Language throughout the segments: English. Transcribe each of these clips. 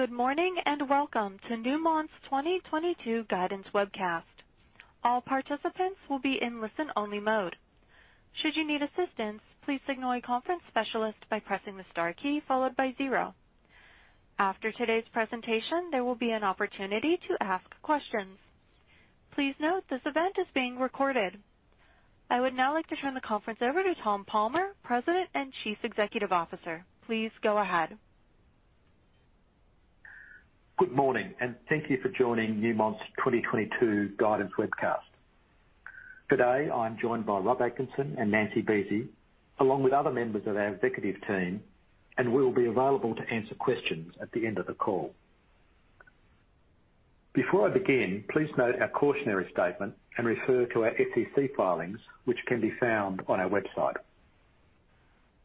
Good morning, and welcome to Newmont's 2022 guidance webcast. All participants will be in listen-only mode. Should you need assistance, please signal a conference specialist by pressing the star key followed by zero. After today's presentation, there will be an opportunity to ask questions. Please note this event is being recorded. I would now like to turn the conference over to Thomas Ronald Palmer, President and Chief Executive Officer. Please go ahead. Good morning, and thank you for joining Newmont's 2022 guidance webcast. Today, I'm joined by Rob Atkinson and Nancy Buese, along with other members of our executive team, and we will be available to answer questions at the end of the call. Before I begin, please note our cautionary statement and refer to our SEC filings, which can be found on our website.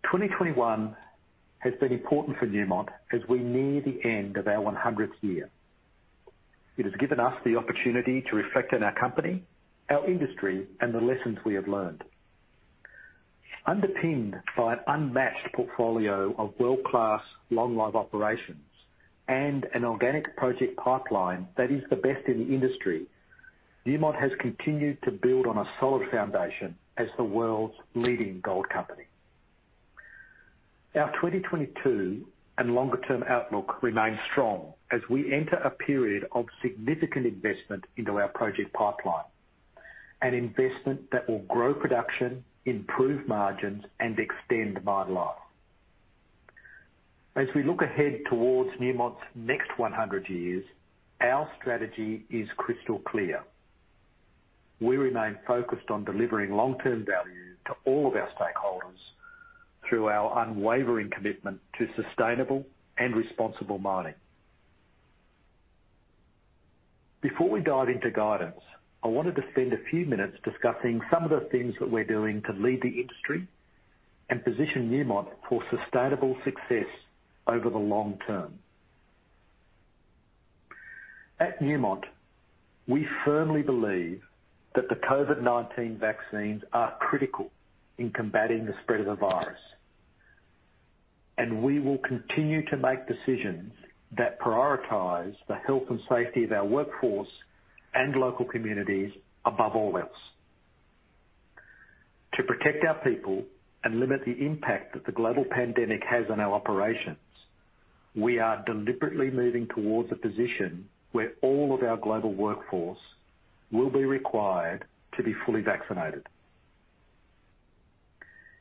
2021 has been important for Newmont as we near the end of our 100th year. It has given us the opportunity to reflect on our company, our industry, and the lessons we have learned. Underpinned by an unmatched portfolio of world-class long-life operations and an organic project pipeline that is the best in the industry, Newmont has continued to build on a solid foundation as the world's leading gold company. Our 2022 and longer-term outlook remains strong as we enter a period of significant investment into our project pipeline. An investment that will grow production, improve margins, and extend mine life. As we look ahead towards Newmont's next 100 years, our strategy is crystal clear. We remain focused on delivering long-term value to all of our stakeholders through our unwavering commitment to sustainable and responsible mining. Before we dive into guidance, I wanted to spend a few minutes discussing some of the things that we're doing to lead the industry and position Newmont for sustainable success over the long term. At Newmont, we firmly believe that the COVID-19 vaccines are critical in combating the spread of the virus, and we will continue to make decisions that prioritize the health and safety of our workforce and local communities above all else. To protect our people and limit the impact that the global pandemic has on our operations, we are deliberately moving towards a position where all of our global workforce will be required to be fully vaccinated.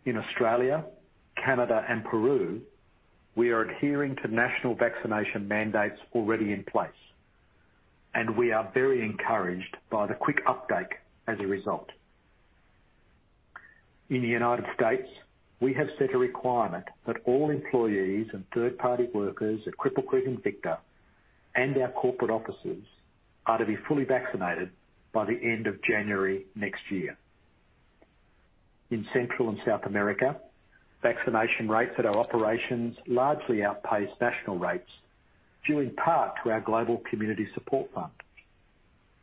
In Australia, Canada, and Peru, we are adhering to national vaccination mandates already in place, and we are very encouraged by the quick uptake as a result. In the United States, we have set a requirement that all employees and third-party workers at Cripple Creek & Victor and our corporate offices are to be fully vaccinated by the end of January next year. In Central and South America, vaccination rates at our operations largely outpace national rates, due in part to our global community support fund,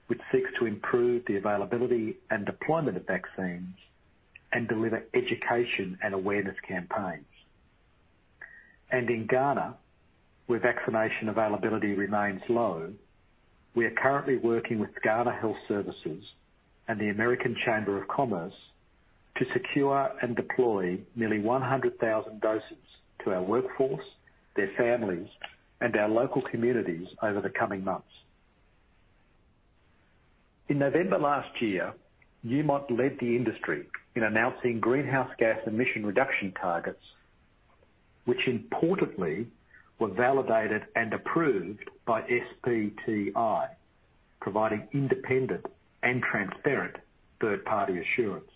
which seeks to improve the availability and deployment of vaccines and deliver education and awareness campaigns. In Ghana, where vaccination availability remains low, we are currently working with Ghana Health Service and the American Chamber of Commerce to secure and deploy nearly 100,000 doses to our workforce, their families, and our local communities over the coming months. In November last year, Newmont led the industry in announcing greenhouse gas emission reduction targets, which importantly were validated and approved by SBTi, providing independent and transparent third-party assurance.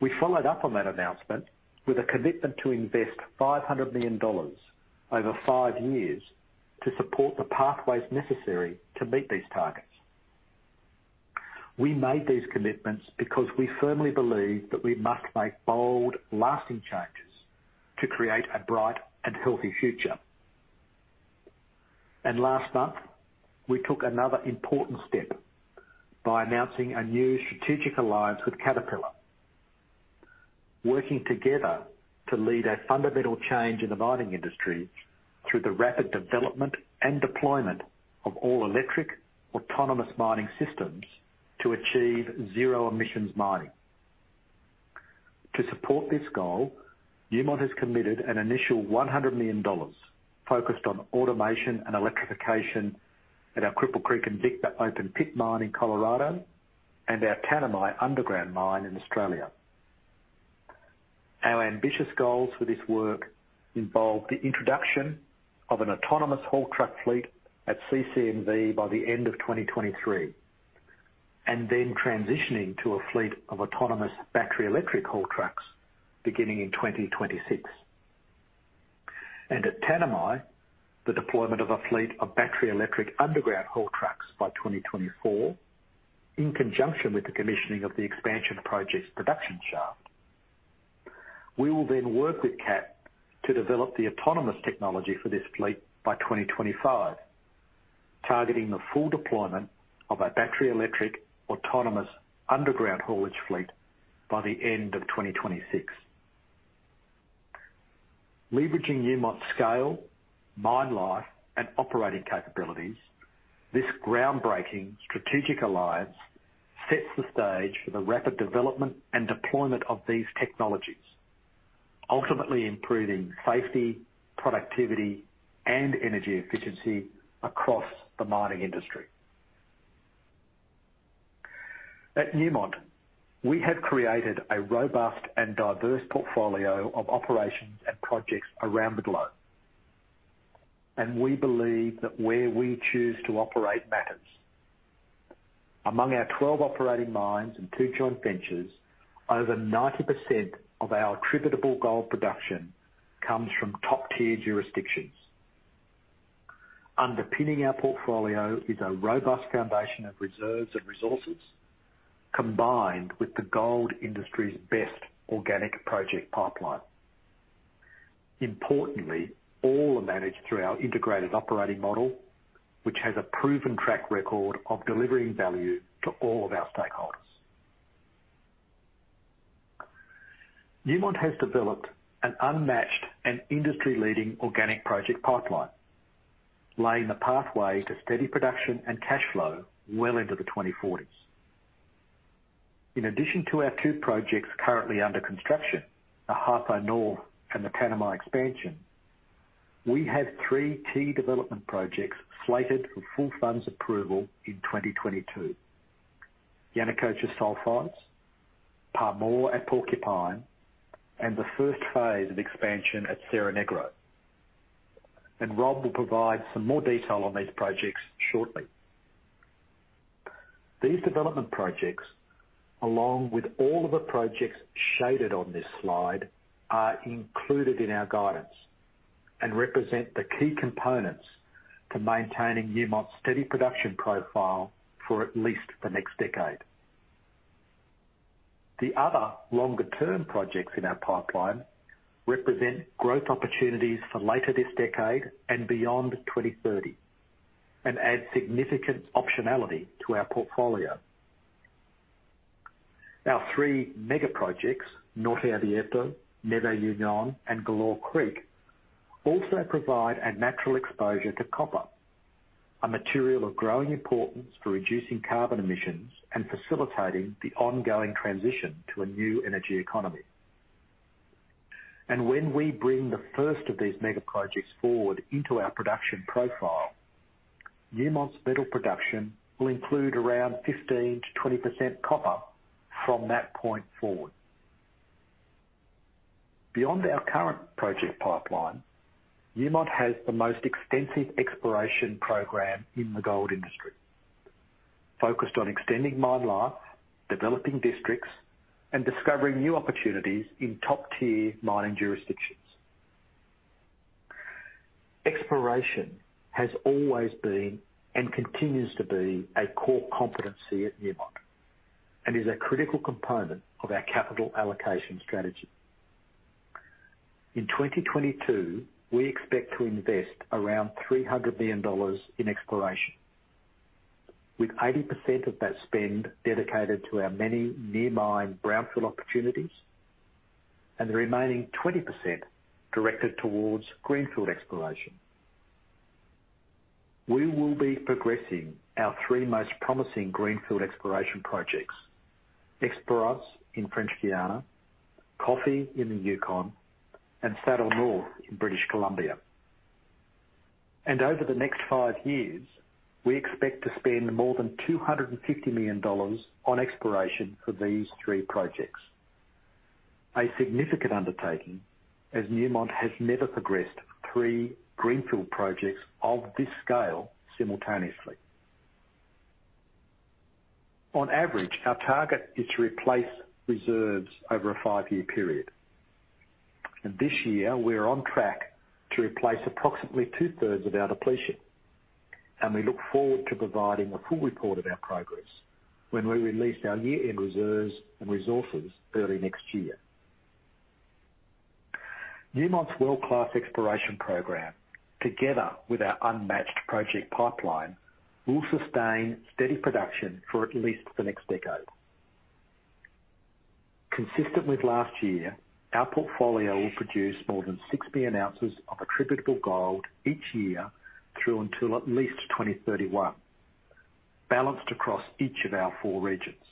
We followed up on that announcement with a commitment to invest $500 million over five years to support the pathways necessary to meet these targets. We made these commitments because we firmly believe that we must make bold, lasting changes to create a bright and healthy future. Last month, we took another important step by announcing a new strategic alliance with Caterpillar, working together to lead a fundamental change in the mining industry through the rapid development and deployment of all-electric, autonomous mining systems to achieve zero emissions mining. To support this goal, Newmont has committed an initial $100 million focused on automation and electrification at our Cripple Creek & Victor open-pit mine in Colorado and our Tanami underground mine in Australia. Our ambitious goals for this work involve the introduction of an autonomous haul truck fleet at CC&V by the end of 2023, and then transitioning to a fleet of autonomous battery electric haul trucks beginning in 2026. At Tanami, the deployment of a fleet of battery electric underground haul trucks by 2024 in conjunction with the commissioning of the expansion project's production shaft. We will then work with Cat to develop the autonomous technology for this fleet by 2025. Targeting the full deployment of our battery electric, autonomous underground haulage fleet by the end of 2026. Leveraging Newmont's scale, mine life, and operating capabilities, this groundbreaking strategic alliance sets the stage for the rapid development and deployment of these technologies, ultimately improving safety, productivity, and energy efficiency across the mining industry. At Newmont, we have created a robust and diverse portfolio of operations and projects around the globe, and we believe that where we choose to operate matters. Among our 12 operating mines and two joint ventures, over 90% of our attributable gold production comes from top-tier jurisdictions. Underpinning our portfolio is a robust foundation of reserves and resources, combined with the gold industry's best organic project pipeline. Importantly, all are managed through our integrated operating model, which has a proven track record of delivering value to all of our stakeholders. Newmont has developed an unmatched and industry-leading organic project pipeline, laying the pathway to steady production and cash flow well into the 2040s. In addition to our two projects currently under construction, the Ahafo North and the Tanami Expansion, we have three key development projects slated for full funds approval in 2022. Yanacocha Sulfides, Pamour at Porcupine, and the first phase of expansion at Cerro Negro. Rob will provide some more detail on these projects shortly. These development projects, along with all of the projects shaded on this slide, are included in our guidance and represent the key components to maintaining Newmont's steady production profile for at least the next decade. The other longer-term projects in our pipeline represent growth opportunities for later this decade and beyond 2030, and add significant optionality to our portfolio. Our three mega projects, Norte Abierto, Nueva Unión, and Galore Creek, also provide a natural exposure to copper, a material of growing importance for reducing carbon emissions and facilitating the ongoing transition to a new energy economy. When we bring the first of these mega projects forward into our production profile, Newmont's metal production will include around 15%-20% copper from that point forward. Beyond our current project pipeline, Newmont has the most extensive exploration program in the gold industry, focused on extending mine life, developing districts, and discovering new opportunities in top-tier mining jurisdictions. Exploration has always been, and continues to be, a core competency at Newmont and is a critical component of our capital allocation strategy. In 2022, we expect to invest around $300 million in exploration, with 80% of that spend dedicated to our many near mine brownfield opportunities and the remaining 20% directed towards greenfield exploration. We will be progressing our three most promising greenfield exploration projects, Espérance in French Guiana, Coffee in the Yukon, and Saddle North in British Columbia. Over the next five years, we expect to spend more than $250 million on exploration for these three projects, a significant undertaking as Newmont has never progressed three greenfield projects of this scale simultaneously. On average, our target is to replace reserves over a five-year period. This year, we are on track to replace approximately two-thirds of our depletion, and we look forward to providing a full report of our progress when we release our year-end reserves and resources early next year. Newmont's world-class exploration program, together with our unmatched project pipeline, will sustain steady production for at least the next decade. Consistent with last year, our portfolio will produce more than 6 billion ounces of attributable gold each year through until at least 2031, balanced across each of our four regions.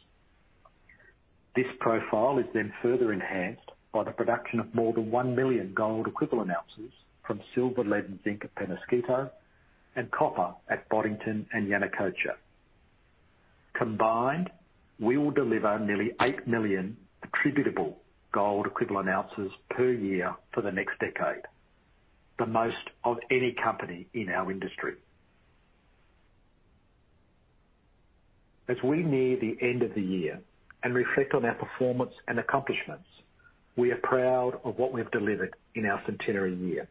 This profile is then further enhanced by the production of more than 1 million gold equivalent ounces from silver, lead, and zinc at Penasquito and copper at Boddington and Yanacocha. Combined, we will deliver nearly 8 million attributable gold equivalent ounces per year for the next decade, the most of any company in our industry. As we near the end of the year and reflect on our performance and accomplishments, we are proud of what we have delivered in our centenary year.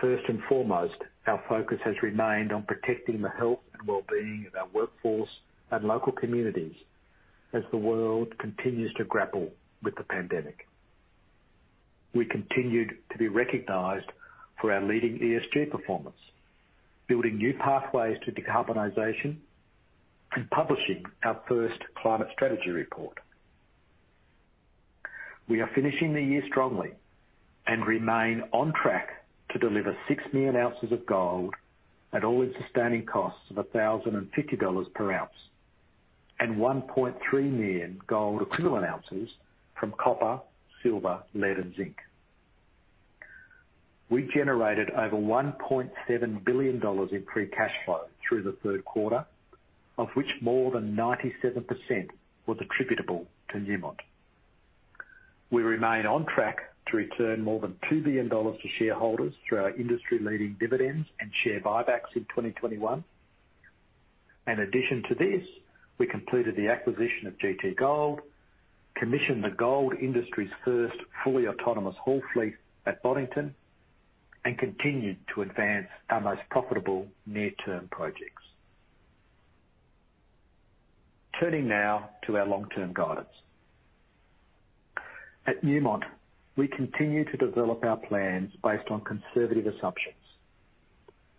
First and foremost, our focus has remained on protecting the health and well-being of our workforce and local communities as the world continues to grapple with the pandemic. We continued to be recognized for our leading ESG performance, building new pathways to decarbonization, and publishing our first climate strategy report. We are finishing the year strongly and remain on track to deliver 6 million ounces of gold at all-in sustaining costs of $1,050 per ounce, and 1.3 million gold equivalent ounces from copper, silver, lead, and zinc. We generated over $1.7 billion in free cash flow through the third quarter, of which more than 97% was attributable to Newmont. We remain on track to return more than $2 billion to shareholders through our industry-leading dividends and share buybacks in 2021. In addition to this, we completed the acquisition of GT Gold, commissioned the gold industry's first fully autonomous haul fleet at Boddington, and continued to advance our most profitable near-term projects. Turning now to our long-term guidance. At Newmont, we continue to develop our plans based on conservative assumptions.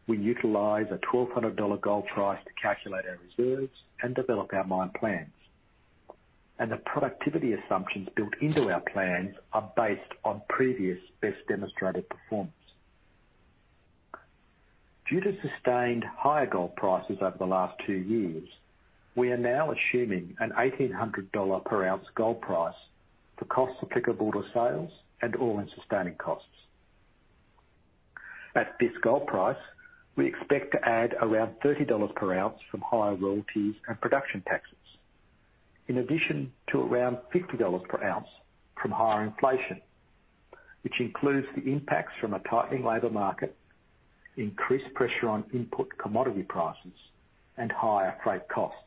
We utilize a $1,200 gold price to calculate our reserves and develop our mine plans. The productivity assumptions built into our plans are based on previous best demonstrated performance. Due to sustained higher gold prices over the last two years, we are now assuming an $1,800 per ounce gold price for costs applicable to sales and all-in sustaining costs. At this gold price, we expect to add around $30 per ounce from higher royalties and production taxes. In addition to around $50 per ounce from higher inflation, which includes the impacts from a tightening labor market, increased pressure on input commodity prices, and higher freight costs.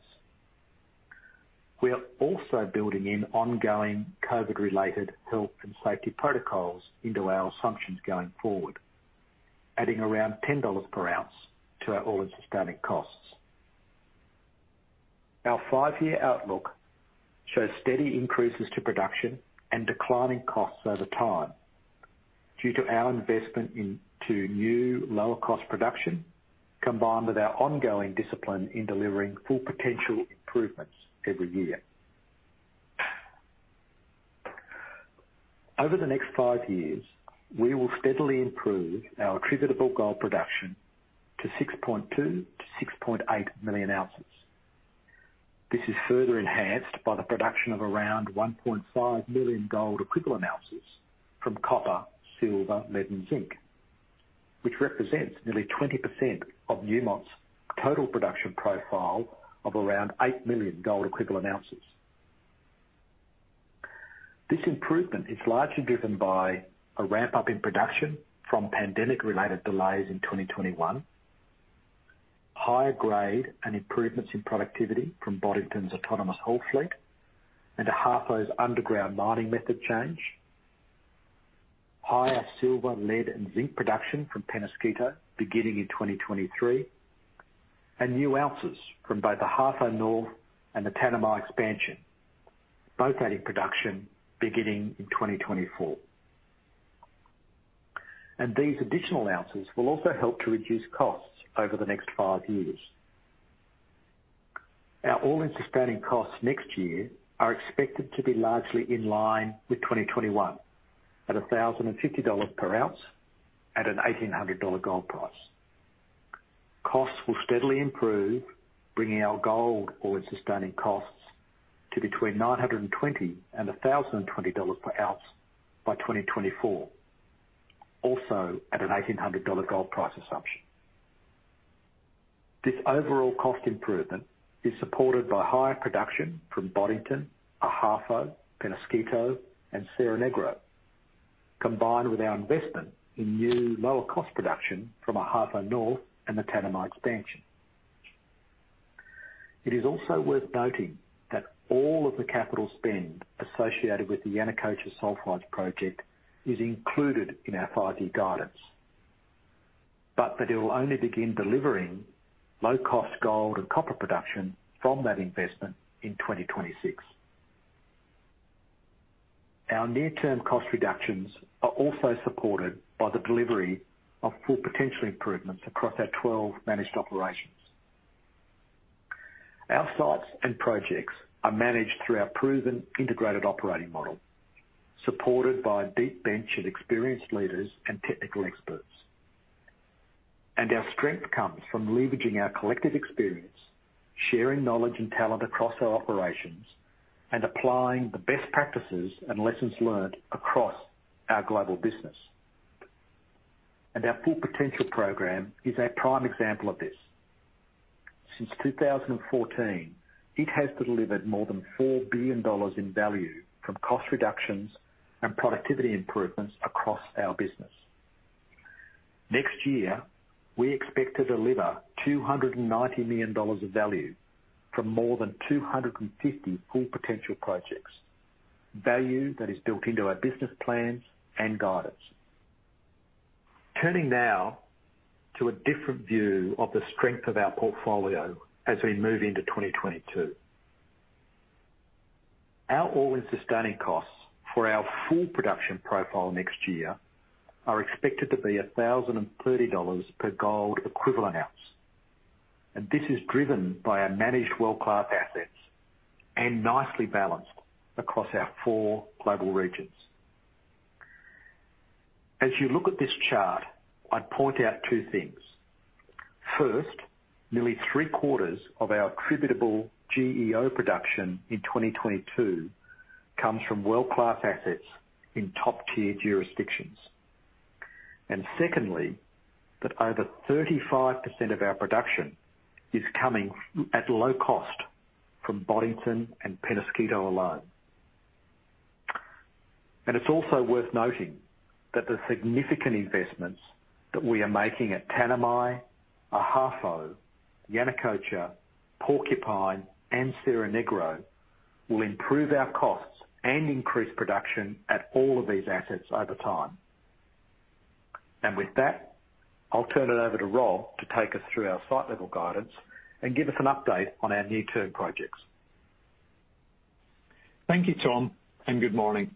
We are also building in ongoing COVID-related health and safety protocols into our assumptions going forward, adding around $10 per ounce to our all-in sustaining costs. Our five-year outlook shows steady increases to production and declining costs over time due to our investment into new lower cost production, combined with our ongoing discipline in delivering Full Potential improvements every year. Over the next five years, we will steadily improve our attributable gold production to 6.2 million-6.8 million ounces. This is further enhanced by the production of around 1.5 million gold equivalent ounces from copper, silver, lead, and zinc, which represents nearly 20% of Newmont's total production profile of around 8 million gold equivalent ounces. This improvement is largely driven by a ramp-up in production from pandemic-related delays in 2021, higher grade and improvements in productivity from Boddington's autonomous haul fleet into Ahafo's underground mining method change, higher silver, lead, and zinc production from Penasquito beginning in 2023, and new ounces from both the Ahafo North and the Tanami Expansion, both adding production beginning in 2024. These additional ounces will also help to reduce costs over the next five years. Our all-in sustaining costs next year are expected to be largely in line with 2021 at $1,050 per ounce at an $1,800 gold price. Costs will steadily improve, bringing our gold all-in sustaining costs to between $920 and $1,020 per ounce by 2024, also at an $1,800 gold price assumption. This overall cost improvement is supported by higher production from Boddington, Ahafo, Penasquito, and Cerro Negro, combined with our investment in new lower cost production from Ahafo North and the Tanami Expansion. It is also worth noting that all of the capital spend associated with the Yanacocha Sulfides project is included in our five-year guidance, but that it will only begin delivering low cost gold and copper production from that investment in 2026. Our near-term cost reductions are also supported by the delivery of Full Potential improvements across our 12 managed operations. Our sites and projects are managed through our proven integrated operating model, supported by a deep bench of experienced leaders and technical experts. Our strength comes from leveraging our collective experience, sharing knowledge and talent across our operations, and applying the best practices and lessons learned across our global business. Our Full Potential program is a prime example of this. Since 2014, it has delivered more than $4 billion in value from cost reductions and productivity improvements across our business. Next year, we expect to deliver $290 million of value from more than 250 Full Potential projects. Value that is built into our business plans and guidance. Turning now to a different view of the strength of our portfolio as we move into 2022. Our all-in sustaining costs for our full production profile next year are expected to be $1,030 per gold equivalent ounce, and this is driven by our managed world-class assets and nicely balanced across our four global regions. As you look at this chart, I'd point out two things. First, nearly three-quarters of our attributable GEO production in 2022 comes from world-class assets in top-tier jurisdictions. Secondly, that over 35% of our production is coming at low cost from Boddington and Penasquito alone. It's also worth noting that the significant investments that we are making at Tanami, Ahafo, Yanacocha, Porcupine, and Cerro Negro will improve our costs and increase production at all of these assets over time. With that, I'll turn it over to Rob to take us through our site level guidance and give us an update on our near-term projects. Thank you, Tom, and good morning.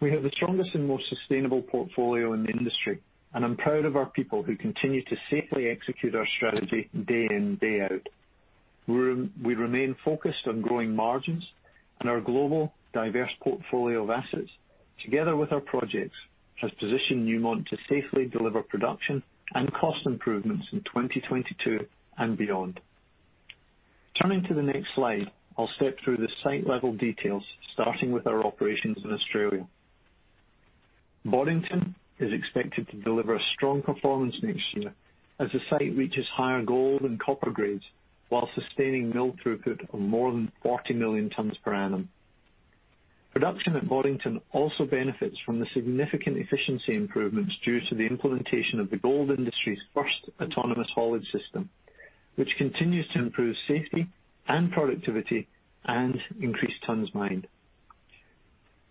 We have the strongest and most sustainable portfolio in the industry, and I'm proud of our people who continue to safely execute our strategy day in, day out. We remain focused on growing margins and our global diverse portfolio of assets, together with our projects, has positioned Newmont to safely deliver production and cost improvements in 2022 and beyond. Turning to the next slide, I'll step through the site-level details, starting with our operations in Australia. Boddington is expected to deliver a strong performance next year as the site reaches higher gold and copper grades while sustaining mill throughput of more than 40 million tons per annum. Production at Boddington also benefits from the significant efficiency improvements due to the implementation of the gold industry's first autonomous haulage system, which continues to improve safety and productivity and increase tons mined.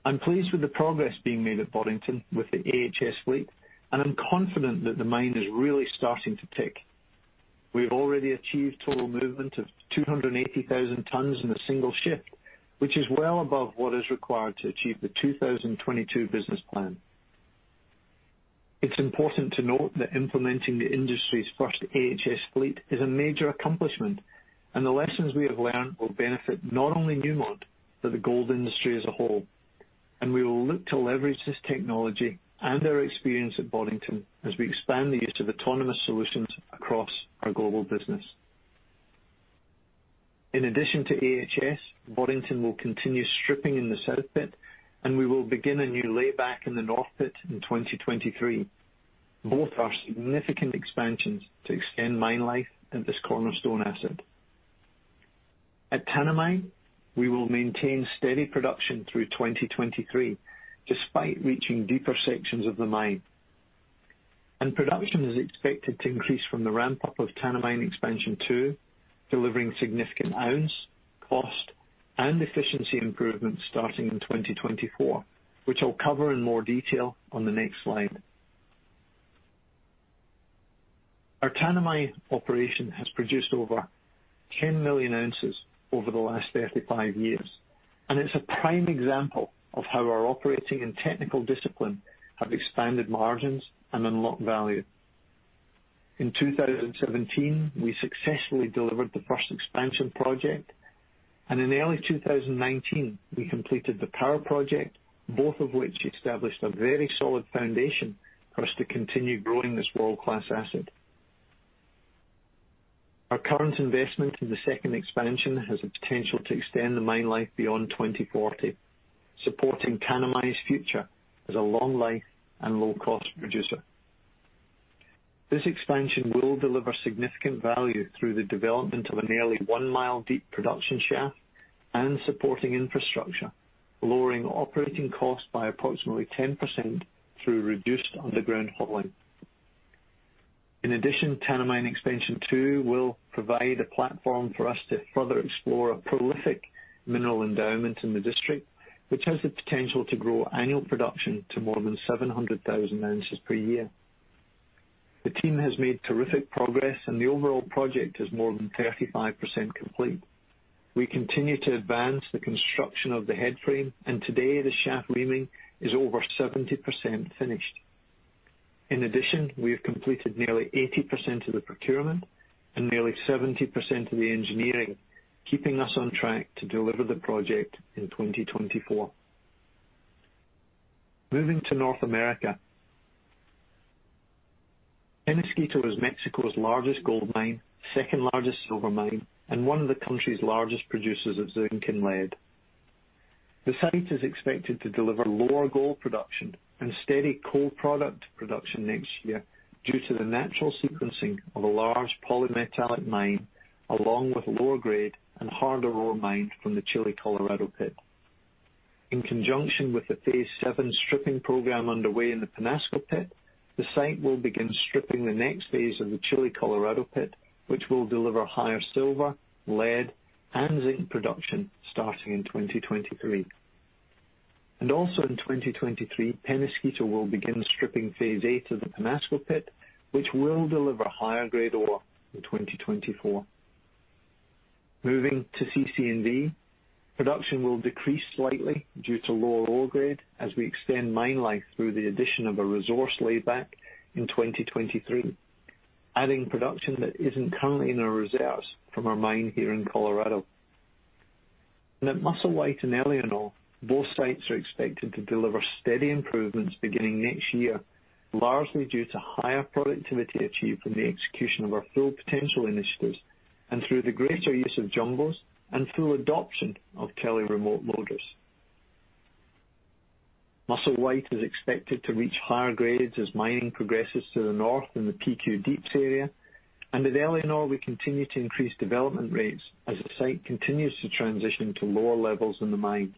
I'm pleased with the progress being made at Boddington with the AHS fleet, and I'm confident that the mine is really starting to tick. We have already achieved total movement of 280,000 tons in a single shift, which is well above what is required to achieve the 2022 business plan. It's important to note that implementing the industry's first AHS fleet is a major accomplishment, and the lessons we have learned will benefit not only Newmont, but the gold industry as a whole. We will look to leverage this technology and our experience at Boddington as we expand the use of autonomous solutions across our global business. In addition to AHS, Boddington will continue stripping in the South Pit, and we will begin a new layback in the North Pit in 2023. Both are significant expansions to extend mine life at this cornerstone asset. At Tanami, we will maintain steady production through 2023, despite reaching deeper sections of the mine. Production is expected to increase from the ramp-up of Tanami Expansion 2, delivering significant ounce, cost, and efficiency improvements starting in 2024, which I'll cover in more detail on the next slide. Our Tanami operation has produced over 10 million ounces over the last 35 years, and it's a prime example of how our operating and technical discipline have expanded margins and unlocked value. In 2017, we successfully delivered the first expansion project, and in early 2019, we completed the power project, both of which established a very solid foundation for us to continue growing this world-class asset. Our current investment in the second expansion has the potential to extend the mine life beyond 2040, supporting Tanami's future as a long life and low cost producer. This expansion will deliver significant value through the development of a nearly one mile deep production shaft and supporting infrastructure, lowering operating costs by approximately 10% through reduced underground hauling. In addition, Tanami Expansion 2 will provide a platform for us to further explore a prolific mineral endowment in the district, which has the potential to grow annual production to more than 700,000 ounces per year. The team has made terrific progress, and the overall project is more than 35% complete. We continue to advance the construction of the headframe, and today the shaft reaming is over 70% finished. In addition, we have completed nearly 80% of the procurement and nearly 70% of the engineering, keeping us on track to deliver the project in 2024. Moving to North America. Penasquito is Mexico's largest gold mine, second-largest silver mine, and one of the country's largest producers of zinc and lead. The site is expected to deliver lower gold production and steady copper production next year due to the natural sequencing of a large polymetallic mine, along with lower grade and harder ore mined from the Chile Colorado Pit. In conjunction with the phase seven stripping program underway in the Penasquito Pit, the site will begin stripping the next phase of the Chile Colorado Pit, which will deliver higher silver, lead, and zinc production starting in 2023. Also in 2023, Penasquito will begin stripping phase eight of the Penasquito Pit, which will deliver higher grade ore in 2024. Moving to CC&V, production will decrease slightly due to lower ore grade as we extend mine life through the addition of a resource layback in 2023, adding production that isn't currently in our reserves from our mine here in Colorado. At Musselwhite and Éléonore, both sites are expected to deliver steady improvements beginning next year, largely due to higher productivity achieved from the execution of our Full Potential initiatives and through the greater use of jumbos and through adoption of Caterpillar remote loaders. Musselwhite is expected to reach higher grades as mining progresses to the north in the PQ Deeps area. At Éléonore, we continue to increase development rates as the site continues to transition to lower levels in the mine.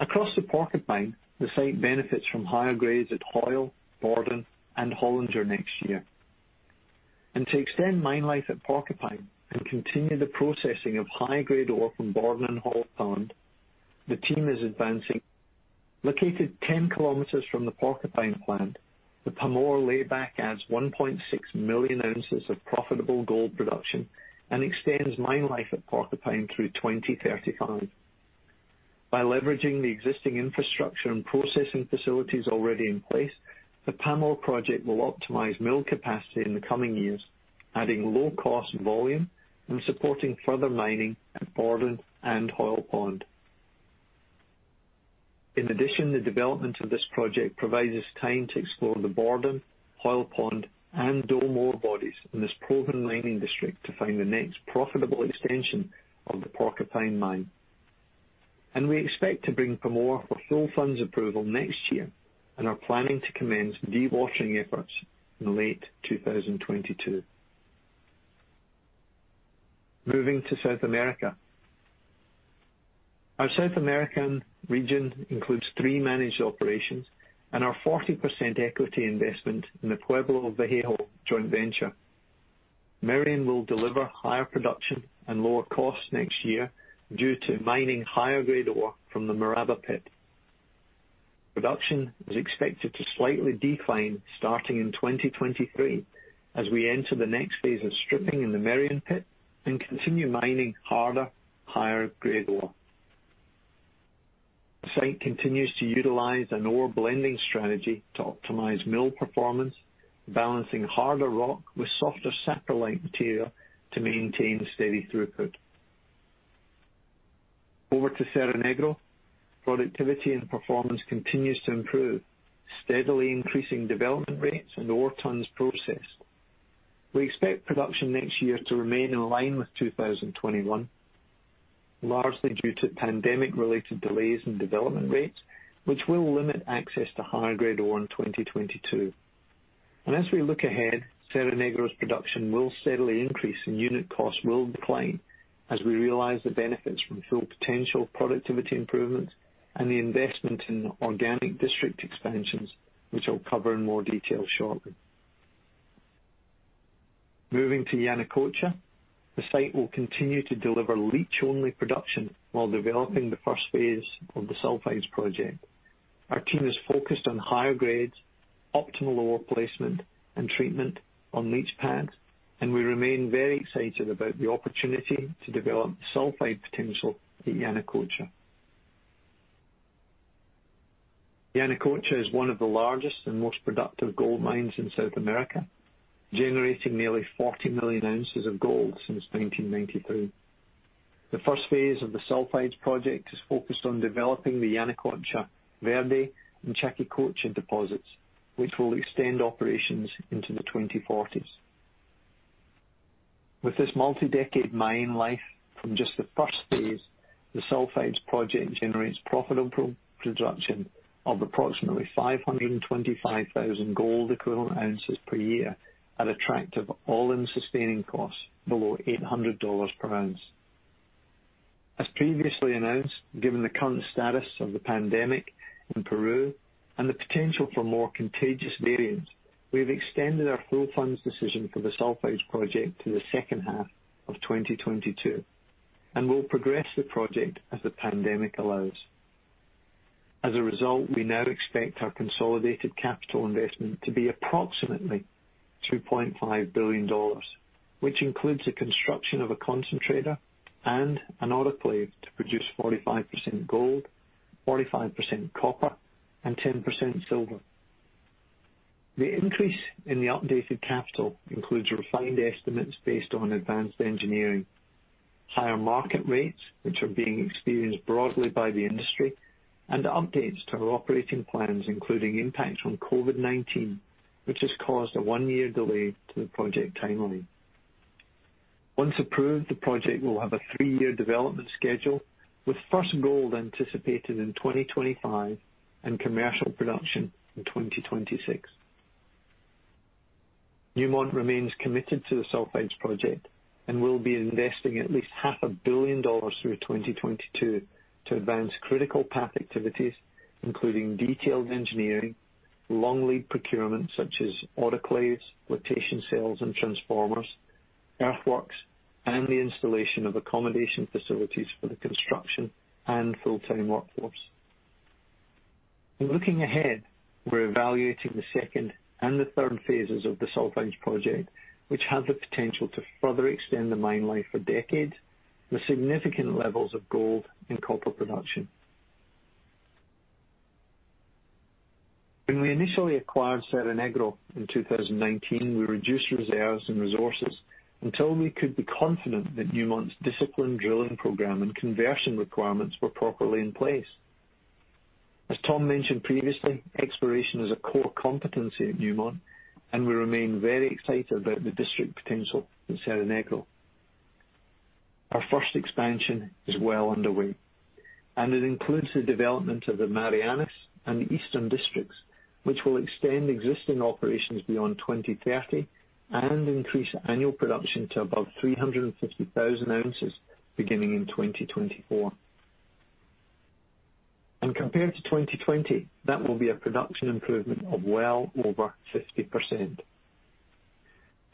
Across the Porcupine, the site benefits from higher grades at Hoyle, Borden, and Hollinger next year. To extend mine life at Porcupine and continue the processing of high-grade ore from Borden and Hoyle Pond, the team is advancing. Located 10 km from the Porcupine plant, the Pamour layback adds 1.6 million ounces of profitable gold production and extends mine life at Porcupine through 2035. By leveraging the existing infrastructure and processing facilities already in place, the Pamour project will optimize mill capacity in the coming years, adding low cost volume and supporting further mining at Borden and Hoyle Pond. In addition, the development of this project provides us time to explore the Borden, Hoyle Pond, and Dome ore bodies in this proven mining district to find the next profitable extension of the Porcupine mine. We expect to bring Pamour for full funds approval next year and are planning to commence dewatering efforts in late 2022. Moving to South America. Our South American region includes three managed operations and our 40% equity investment in the Pueblo Viejo joint venture. Merian will deliver higher production and lower costs next year due to mining higher-grade ore from the Moraba Pit. Production is expected to slightly decline starting in 2023 as we enter the next phase of stripping in the Merian pit and continue mining harder, higher grade ore. The site continues to utilize an ore blending strategy to optimize mill performance, balancing harder rock with softer saprolite material to maintain steady throughput. Over to Cerro Negro, productivity and performance continues to improve, steadily increasing development rates and ore tons processed. We expect production next year to remain in line with 2021, largely due to pandemic-related delays in development rates, which will limit access to higher-grade ore in 2022. As we look ahead, Cerro Negro's production will steadily increase and unit costs will decline as we realize the benefits from Full Potential productivity improvements and the investment in organic district expansions, which I'll cover in more detail shortly. Moving to Yanacocha, the site will continue to deliver leach only production while developing the first phase of the Sulfides project. Our team is focused on higher grades, optimal ore placement, and treatment on leach pads. We remain very excited about the opportunity to develop Sulfide potential at Yanacocha. Yanacocha is one of the largest and most productive gold mines in South America, generating nearly 40 million ounces of gold since 1993. The first phase of the Sulfides project is focused on developing the Yanacocha Verde and Chaquicocha deposits, which will extend operations into the 2040s. With this multi-decade mine life from just the first phase, the Sulfides project generates profitable production of approximately 525,000 gold equivalent ounces per year at attractive all-in sustaining costs below $800 per ounce. As previously announced, given the current status of the pandemic in Peru and the potential for more contagious variants, we have extended our full funding decision for the Yanacocha Sulfides project to the second half of 2022, and we'll progress the project as the pandemic allows. As a result, we now expect our consolidated capital investment to be approximately $2.5 billion, which includes the construction of a concentrator and an autoclave to produce 45% gold, 45% copper, and 10% silver. The increase in the updated capital includes refined estimates based on advanced engineering, higher market rates, which are being experienced broadly by the industry, and updates to our operating plans, including impacts from COVID-19, which has caused a one-year delay to the project timeline. Once approved, the project will have a three-year development schedule, with first gold anticipated in 2025 and commercial production in 2026. Newmont remains committed to the Sulfides project and will be investing at least $500 million through 2022 to advance critical path activities, including detailed engineering, long lead procurement such as autoclaves, flotation cells, and transformers, earthworks, and the installation of accommodation facilities for the construction and full-time workforce. Looking ahead, we're evaluating the second and the third phases of the Yanacocha project, which have the potential to further extend the mine life for decades with significant levels of gold and copper production. When we initially acquired Cerro Negro in 2019, we reduced reserves and resources until we could be confident that Newmont's disciplined drilling program and conversion requirements were properly in place. As Tom mentioned previously, exploration is a core competency at Newmont, and we remain very excited about the district potential in Cerro Negro. Our first expansion is well underway, and it includes the development of the Marianas and Eastern Districts, which will extend existing operations beyond 2030 and increase annual production to above 350,000 ounces beginning in 2024. Compared to 2020, that will be a production improvement of well over 50%.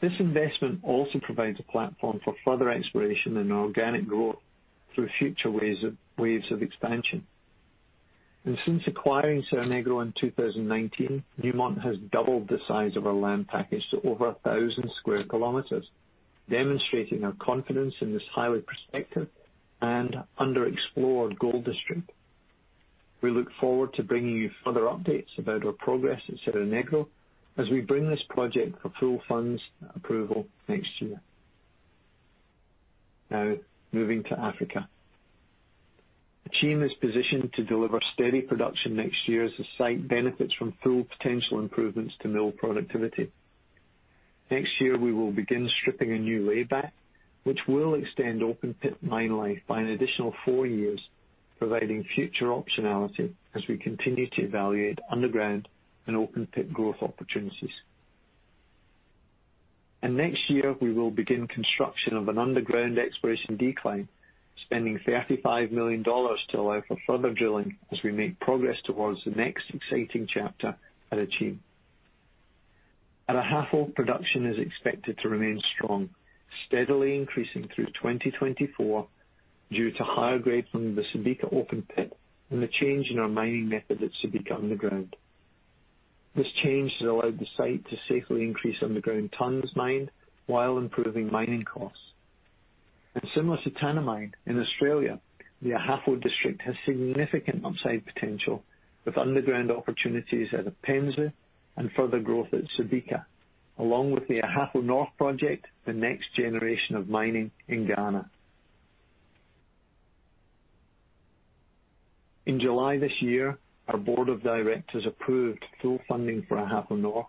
This investment also provides a platform for further exploration and organic growth through future ways of expansion. Since acquiring Cerro Negro in 2019, Newmont has doubled the size of our land package to over 1,000 sq km, demonstrating our confidence in this highly prospective and underexplored gold district. We look forward to bringing you further updates about our progress at Cerro Negro as we bring this project for full funds approval next year. Now, moving to Africa. Akyem is positioned to deliver steady production next year as the site benefits from Full Potential improvements to mill productivity. Next year, we will begin stripping a new layback, which will extend open-pit mine life by an additional four years, providing future optionality as we continue to evaluate underground and open-pit growth opportunities. Next year, we will begin construction of an underground exploration decline, spending $35 million to allow for further drilling as we make progress towards the next exciting chapter at Akyem. At Ahafo, production is expected to remain strong, steadily increasing through 2024 due to higher grades from the Subika open pit and the change in our mining method at Subika underground. This change has allowed the site to safely increase underground tonnes mined while improving mining costs. Similar to Tanami in Australia, the Ahafo district has significant upside potential with underground opportunities at Apensu and further growth at Subika, along with the Ahafo North project, the next generation of mining in Ghana. In July this year, our board of directors approved full funding for Ahafo North,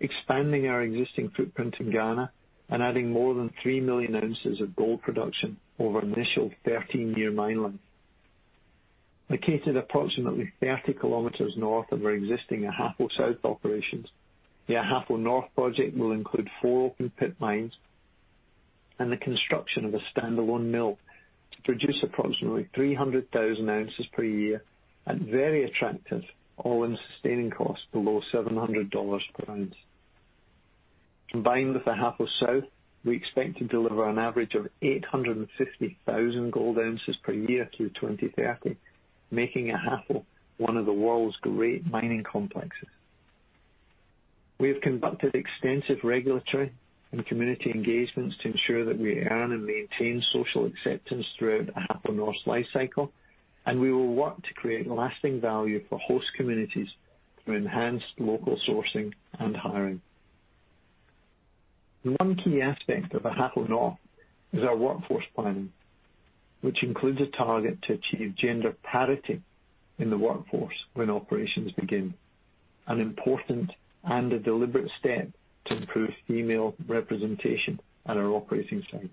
expanding our existing footprint in Ghana and adding more than 3 million ounces of gold production over an initial 13-year mine length. Located approximately 30 kilometers north of our existing Ahafo South operations, the Ahafo North project will include four open pit mines and the construction of a standalone mill to produce approximately 300,000 ounces per year at very attractive all-in sustaining costs below $700 per ounce. Combined with Ahafo South, we expect to deliver an average of 850,000 gold ounces per year through 2030, making Ahafo one of the world's great mining complexes. We have conducted extensive regulatory and community engagements to ensure that we earn and maintain social acceptance throughout Ahafo North's lifecycle, and we will work to create lasting value for host communities through enhanced local sourcing and hiring. One key aspect of Ahafo North is our workforce planning, which includes a target to achieve gender parity in the workforce when operations begin, an important and a deliberate step to improve female representation at our operating sites.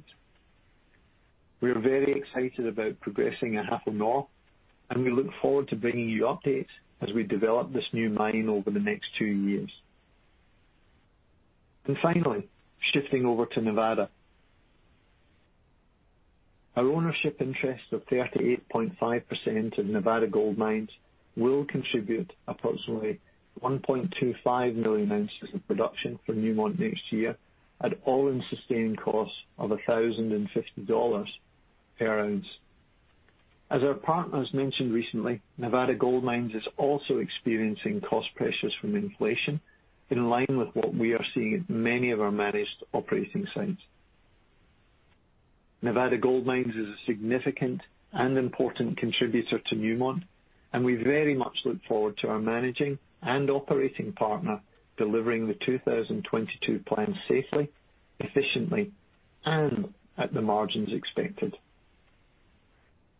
We are very excited about progressing Ahafo North, and we look forward to bringing you updates as we develop this new mine over the next two years. Finally, shifting over to Nevada. Our ownership interest of 38.5% of Nevada Gold Mines will contribute approximately 1.25 million ounces of production for Newmont next year at all-in sustaining costs of $1,050 per ounce. As our partners mentioned recently, Nevada Gold Mines is also experiencing cost pressures from inflation in line with what we are seeing at many of our managed operating sites. Nevada Gold Mines is a significant and important contributor to Newmont, and we very much look forward to our managing and operating partner delivering the 2022 plan safely, efficiently, and at the margins expected.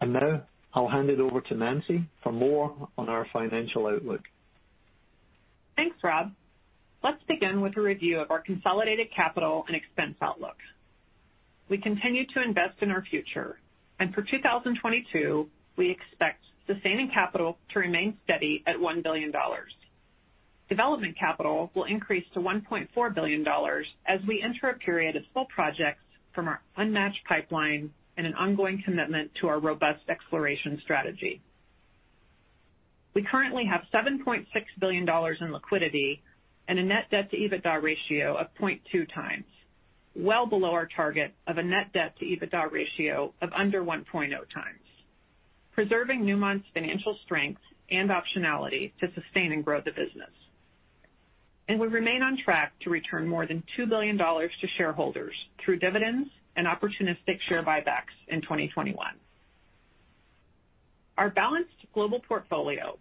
Now I'll hand it over to Nancy for more on our financial outlook. Thanks, Rob. Let's begin with a review of our consolidated capital and expense outlook. We continue to invest in our future, and for 2022, we expect sustaining capital to remain steady at $1 billion. Development capital will increase to $1.4 billion as we enter a period of full projects from our unmatched pipeline and an ongoing commitment to our robust exploration strategy. We currently have $7.6 billion in liquidity and a net debt to EBITDA ratio of 0.2x, well below our target of a net debt to EBITDA ratio of under 1.0x, preserving Newmont's financial strength and optionality to sustain and grow the business. We remain on track to return more than $2 billion to shareholders through dividends and opportunistic share buybacks in 2021. Our balanced global portfolio,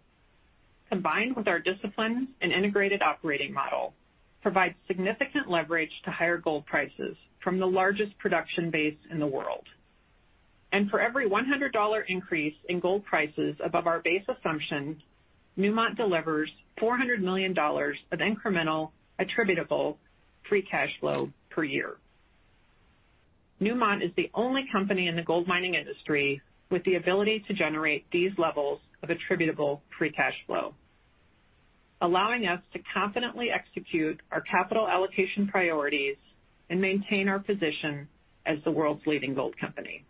combined with our discipline and integrated operating model, provides significant leverage to higher gold prices from the largest production base in the world. For every $100 increase in gold prices above our base assumption, Newmont delivers $400 million of incremental attributable free cash flow per year. Newmont is the only company in the gold mining industry with the ability to generate these levels of attributable free cash flow, allowing us to confidently execute our capital allocation priorities and maintain our position as the world's leading gold company.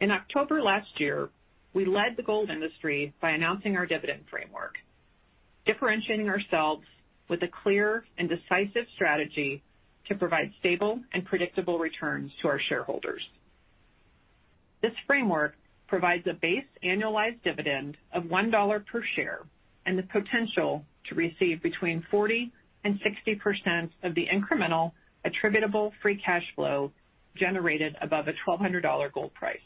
In October last year, we led the gold industry by announcing our dividend framework, differentiating ourselves with a clear and decisive strategy to provide stable and predictable returns to our shareholders. This framework provides a base annualized dividend of $1 per share and the potential to receive between 40% and 60% of the incremental attributable free cash flow generated above a $1,200 gold price.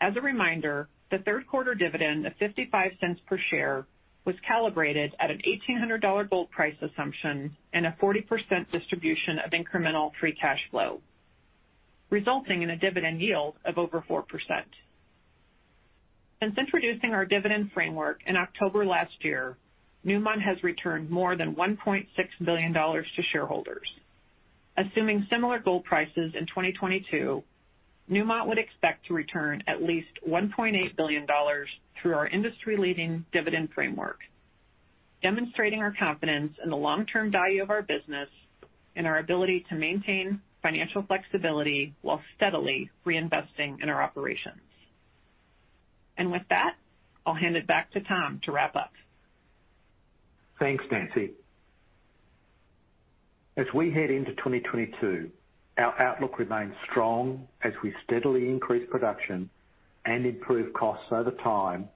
As a reminder, the third quarter dividend of $0.55 per share was calibrated at an $1,800 gold price assumption and a 40% distribution of incremental free cash flow, resulting in a dividend yield of over 4%. Since introducing our dividend framework in October last year, Newmont has returned more than $1.6 billion to shareholders. Assuming similar gold prices in 2022, Newmont would expect to return at least $1.8 billion through our industry-leading dividend framework, demonstrating our confidence in the long-term value of our business and our ability to maintain financial flexibility while steadily reinvesting in our operations. With that, I'll hand it back to Tom to wrap up. Thanks, Nancy. As we head into 2022, our outlook remains strong as we steadily increase production and improve costs over time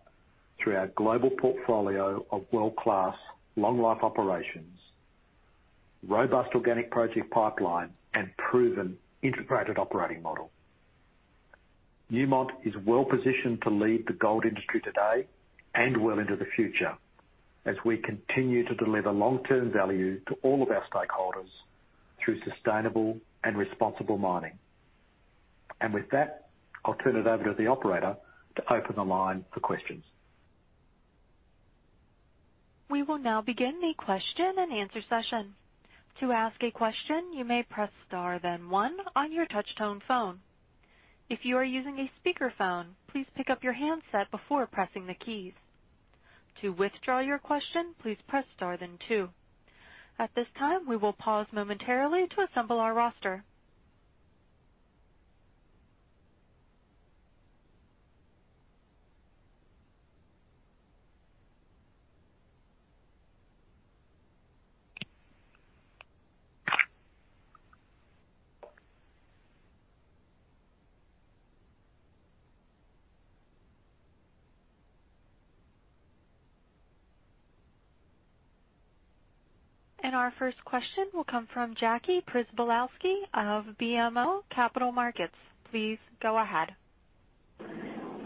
through our global portfolio of world-class long-life operations, robust organic project pipeline, and proven integrated operating model. Newmont is well positioned to lead the gold industry today and well into the future as we continue to deliver long-term value to all of our stakeholders through sustainable and responsible mining. With that, I'll turn it over to the operator to open the line for questions. We will now begin the question-and-answer session. To ask a question, you may press star then one on your touch-tone phone. If you are using a speakerphone, please pick up your handset before pressing the keys. To withdraw your question, please press star then two. At this time, we will pause momentarily to assemble our roster. Our first question will come from Jacqueline Przybylowski of BMO Capital Markets. Please go ahead.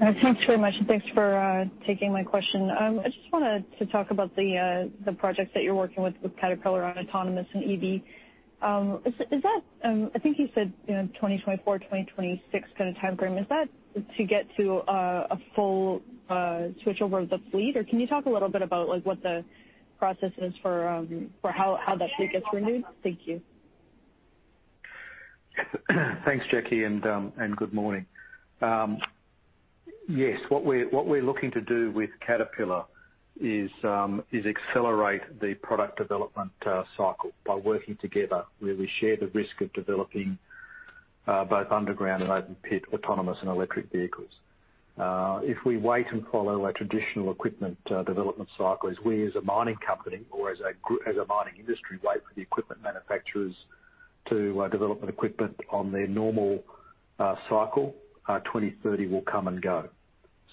Thanks very much. Thanks for taking my question. I just wanted to talk about the projects that you're working with Caterpillar on autonomous and EV. Is that, I think you said, you know, 2024, 2026 kinda timeframe, is that to get to a full switch over of the fleet? Or can you talk a little bit about, like, what the process is for how that fleet gets renewed? Thank you. Thanks, Jackie, and good morning. Yes, what we're looking to do with Caterpillar is accelerate the product development cycle by working together where we share the risk of developing both underground and open pit autonomous and electric vehicles. If we wait and follow a traditional equipment development cycle, as we as a mining company or as a mining industry wait for the equipment manufacturers to develop an equipment on their normal cycle, 2030 will come and go.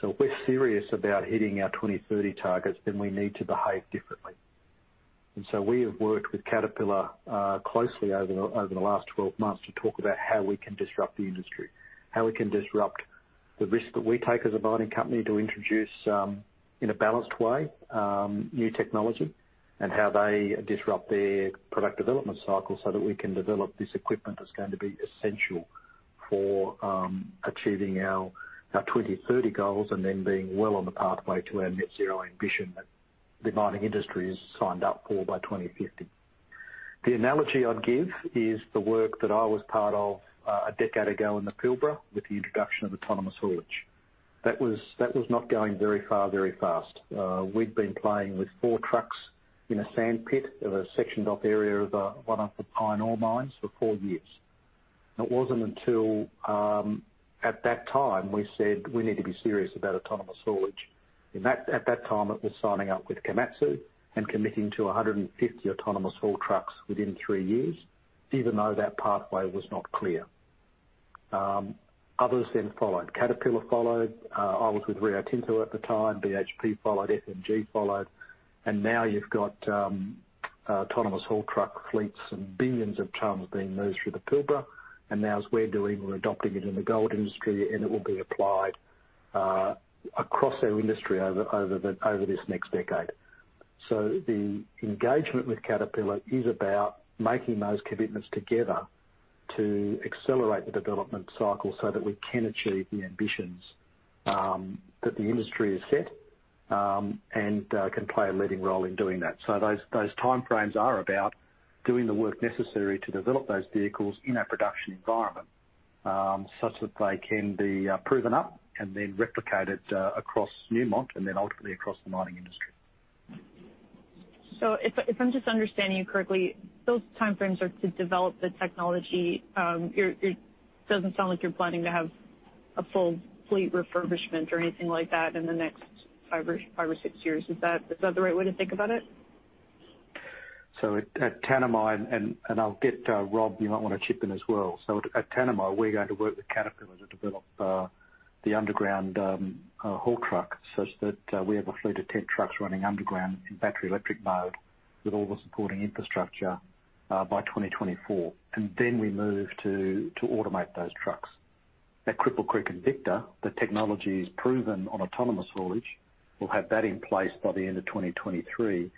If we're serious about hitting our 2030 targets, then we need to behave differently. We have worked with Caterpillar closely over the last 12 months to talk about how we can disrupt the industry, how we can disrupt the risk that we take as a mining company to introduce in a balanced way new technology, and how they disrupt their product development cycle so that we can develop this equipment that's going to be essential for achieving our 2030 goals, and then being well on the pathway to our net zero ambition that the mining industry is signed up for by 2050. The analogy I'd give is the work that I was part of a decade ago in the Pilbara with the introduction of autonomous haulage. That was not going very far, very fast. We'd been playing with four trucks in a sand pit of a sectioned off area of one of the iron ore mines for four years. It wasn't until at that time we said we need to be serious about autonomous haulage. In that time, it was signing up with Komatsu and committing to 150 autonomous haul trucks within three years, even though that pathway was not clear. Others then followed. Caterpillar followed. I was with Rio Tinto at the time. BHP followed, FMG followed, and now you've got autonomous haul truck fleets and billions of tons being moved through the Pilbara, and now as we're doing, we're adopting it in the gold industry, and it will be applied across our industry over this next decade. The engagement with Caterpillar is about making those commitments together to accelerate the development cycle so that we can achieve the ambitions that the industry has set and can play a leading role in doing that. Those time frames are about doing the work necessary to develop those vehicles in a production environment such that they can be proven up and then replicated across Newmont and then ultimately across the mining industry. If I'm just understanding you correctly, those time frames are to develop the technology. It doesn't sound like you're planning to have a full fleet refurbishment or anything like that in the next five or six years. Is that the right way to think about it? At Tanami, and I'll get Rob, you might wanna chip in as well. At Tanami, we're going to work with Caterpillar to develop the underground haul truck such that we have a fleet of 10 trucks running underground in battery electric mode with all the supporting infrastructure by 2024, and then we move to automate those trucks. At Cripple Creek & Victor, the technology is proven on autonomous haulage. We'll have that in place by the end of 2023,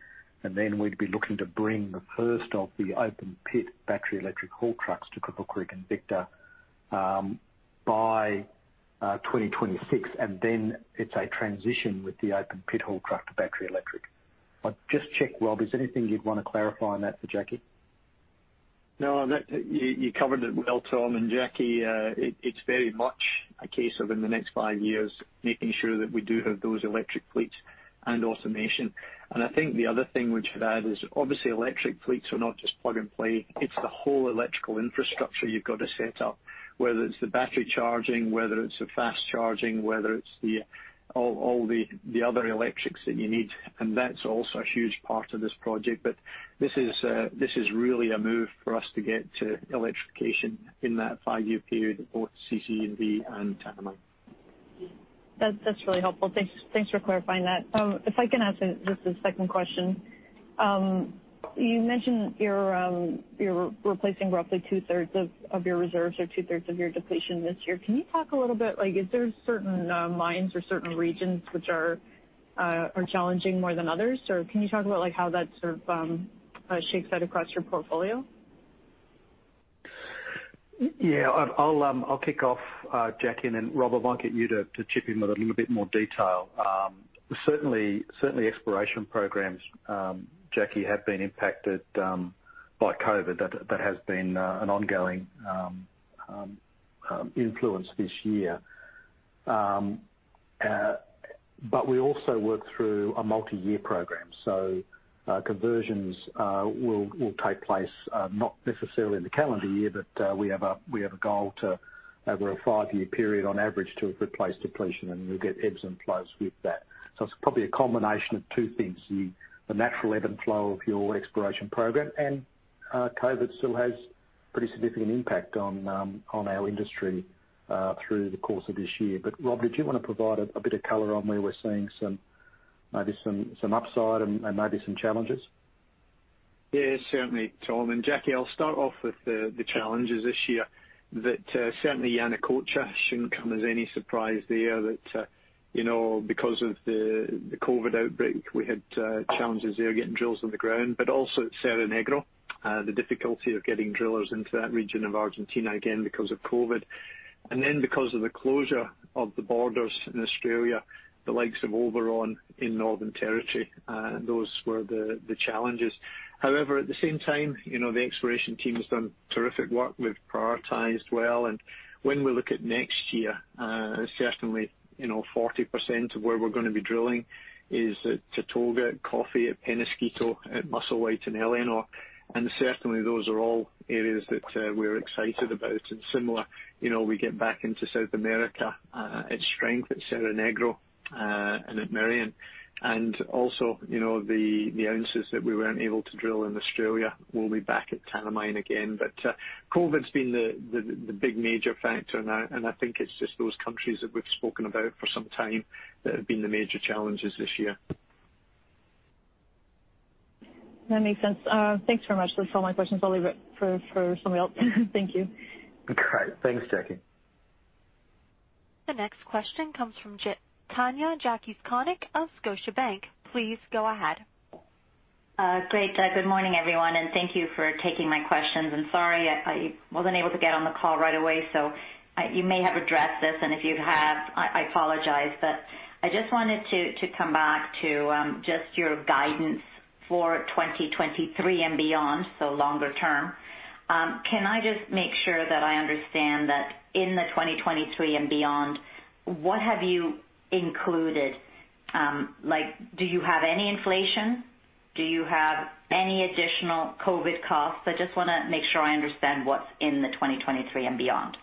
and then we'd be looking to bring the first of the open pit battery electric haul trucks to Cripple Creek & Victor by 2026, and then it's a transition with the open pit haul truck to battery electric. I'd just check, Rob, is there anything you'd wanna clarify on that for Jackie? No, you covered it well, Tom and Jackie. It's very much a case of, in the next five years, making sure that we do have those electric fleets and automation. I think the other thing we should add is obviously electric fleets are not just plug and play. It's the whole electrical infrastructure you've got to set up, whether it's the battery charging, whether it's the fast charging, whether it's all the other electrics that you need. That's also a huge part of this project. This is really a move for us to get to electrification in that five-year period, both CC&V and Tanami. That's really helpful. Thanks for clarifying that. If I can ask just a second question. You mentioned you're replacing roughly two-thirds of your reserves or two-thirds of your depletion this year. Can you talk a little bit, like is there certain mines or certain regions which are challenging more than others? Or can you talk about like how that sort of shakes out across your portfolio? Yeah. I'll kick off, Jackie, and then Rob, I might get you to chip in with a little bit more detail. Certainly exploration programs, Jackie, have been impacted by COVID. That has been an ongoing influence this year. We also work through a multi-year program. Conversions will take place not necessarily in the calendar year, but we have a goal to, over a five-year period on average, to have replaced depletion, and we'll get ebbs and flows with that. It's probably a combination of two things, the natural ebb and flow of your exploration program, and COVID still has pretty significant impact on our industry through the course of this year. Rob, did you wanna provide a bit of color on where we're seeing some, maybe some upside and maybe some challenges? Yeah, certainly, Tom. Jackie, I'll start off with the challenges this year. Certainly Yanacocha shouldn't come as any surprise there, you know, because of the COVID outbreak, we had challenges there getting drills on the ground, but also at Cerro Negro, the difficulty of getting drillers into that region of Argentina, again because of COVID. Because of the closure of the borders in Australia, the likes of our Tanami in Northern Territory, those were the challenges. However, at the same time, you know, the exploration team has done terrific work. We've prioritized well, and when we look at next year, certainly, you know, 40% of where we're gonna be drilling is at Tatogga, Coffee, at Penasquito, at Musselwhite and Éléonore. Certainly those are all areas that we're excited about. Similar, you know, we get back into South America at Suriname, at Cerro Negro, and at Merian. Also, you know, the ounces that we weren't able to drill in Australia will be back at Tanami again. COVID's been the big major factor, and I think it's just those countries that we've spoken about for some time that have been the major challenges this year. That makes sense. Thanks very much. That's all my questions. I'll leave it for somebody else. Thank you. Great. Thanks, Jackie. The next question comes from Tanya Jakusconek of Scotiabank. Please go ahead. Great. Good morning, everyone, and thank you for taking my questions. I'm sorry I wasn't able to get on the call right away. You may have addressed this, and if you have, I apologize. I just wanted to come back to just your guidance for 2023 and beyond, so longer term. Can I just make sure that I understand that in the 2023 and beyond, what have you included? Like, do you have any inflation? Do you have any additional COVID costs? I just wanna make sure I understand what's in the 2023 and beyond.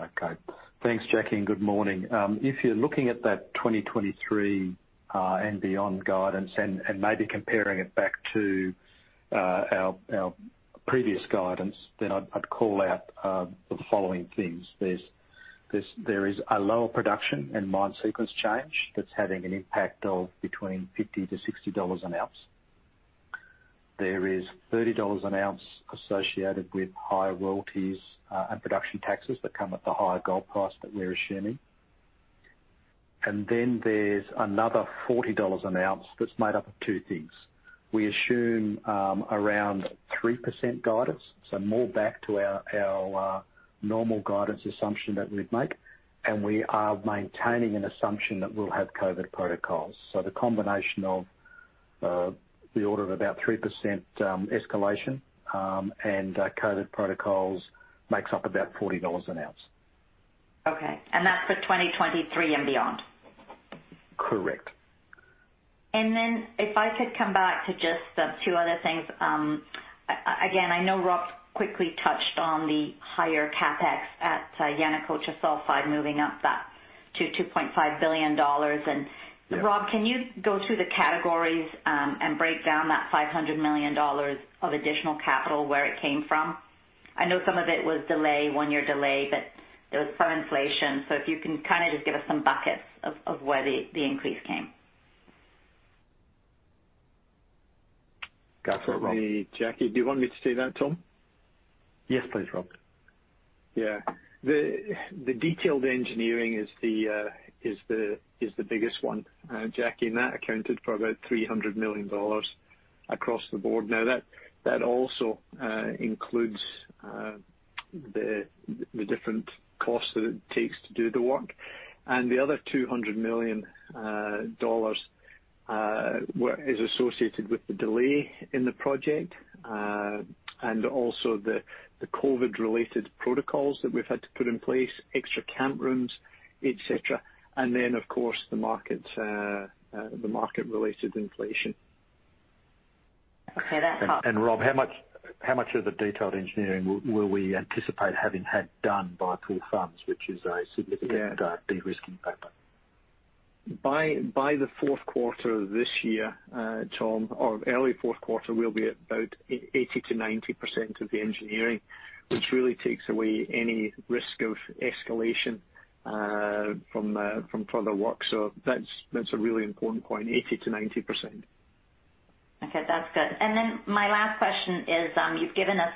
Okay. Thanks, Jackie, and good morning. If you're looking at that 2023 and beyond guidance and maybe comparing it back to our previous guidance, then I'd call out the following things. There is a lower production and mine sequence change that's having an impact of between $50-$60 an ounce. There is $30 an ounce associated with higher royalties and production taxes that come at the higher gold price that we're assuming. Then there's another $40 an ounce that's made up of two things. We assume around 3% guidance, so more back to our normal guidance assumption that we'd make, and we are maintaining an assumption that we'll have COVID protocols. The combination of the order of about 3% escalation and COVID protocols makes up about $40 an ounce. Okay. That's for 2023 and beyond? Correct. If I could come back to just a few other things. Again, I know Rob quickly touched on the higher CapEx at Yanacocha Sulfides moving up that to $2.5 billion. Yeah. Rob, can you go through the categories and break down that $500 million of additional capital where it came from? I know some of it was delay, one-year delay, but there was some inflation. If you can kinda just give us some buckets of where the increase came. Go for it, Rob. Jackie, do you want me to do that, Tom? Yes, please, Rob. The detailed engineering is the biggest one, Jackie, and that accounted for about $300 million across the board. Now, that also includes the different costs that it takes to do the work. The other $200 million dollars is associated with the delay in the project and also the COVID-related protocols that we've had to put in place, extra camp rooms, etc. Then, of course, the market-related inflation. Okay, that's helpful. Rob, how much of the detailed engineering will we anticipate having had done by Q1, which is a significant- Yeah. De-risking factor? By the fourth quarter this year, Tom, or early fourth quarter, we'll be at about 80%-90% of the engineering, which really takes away any risk of escalation from further work. So that's a really important point, 80%-90%. Okay, that's good. My last question is, you've given us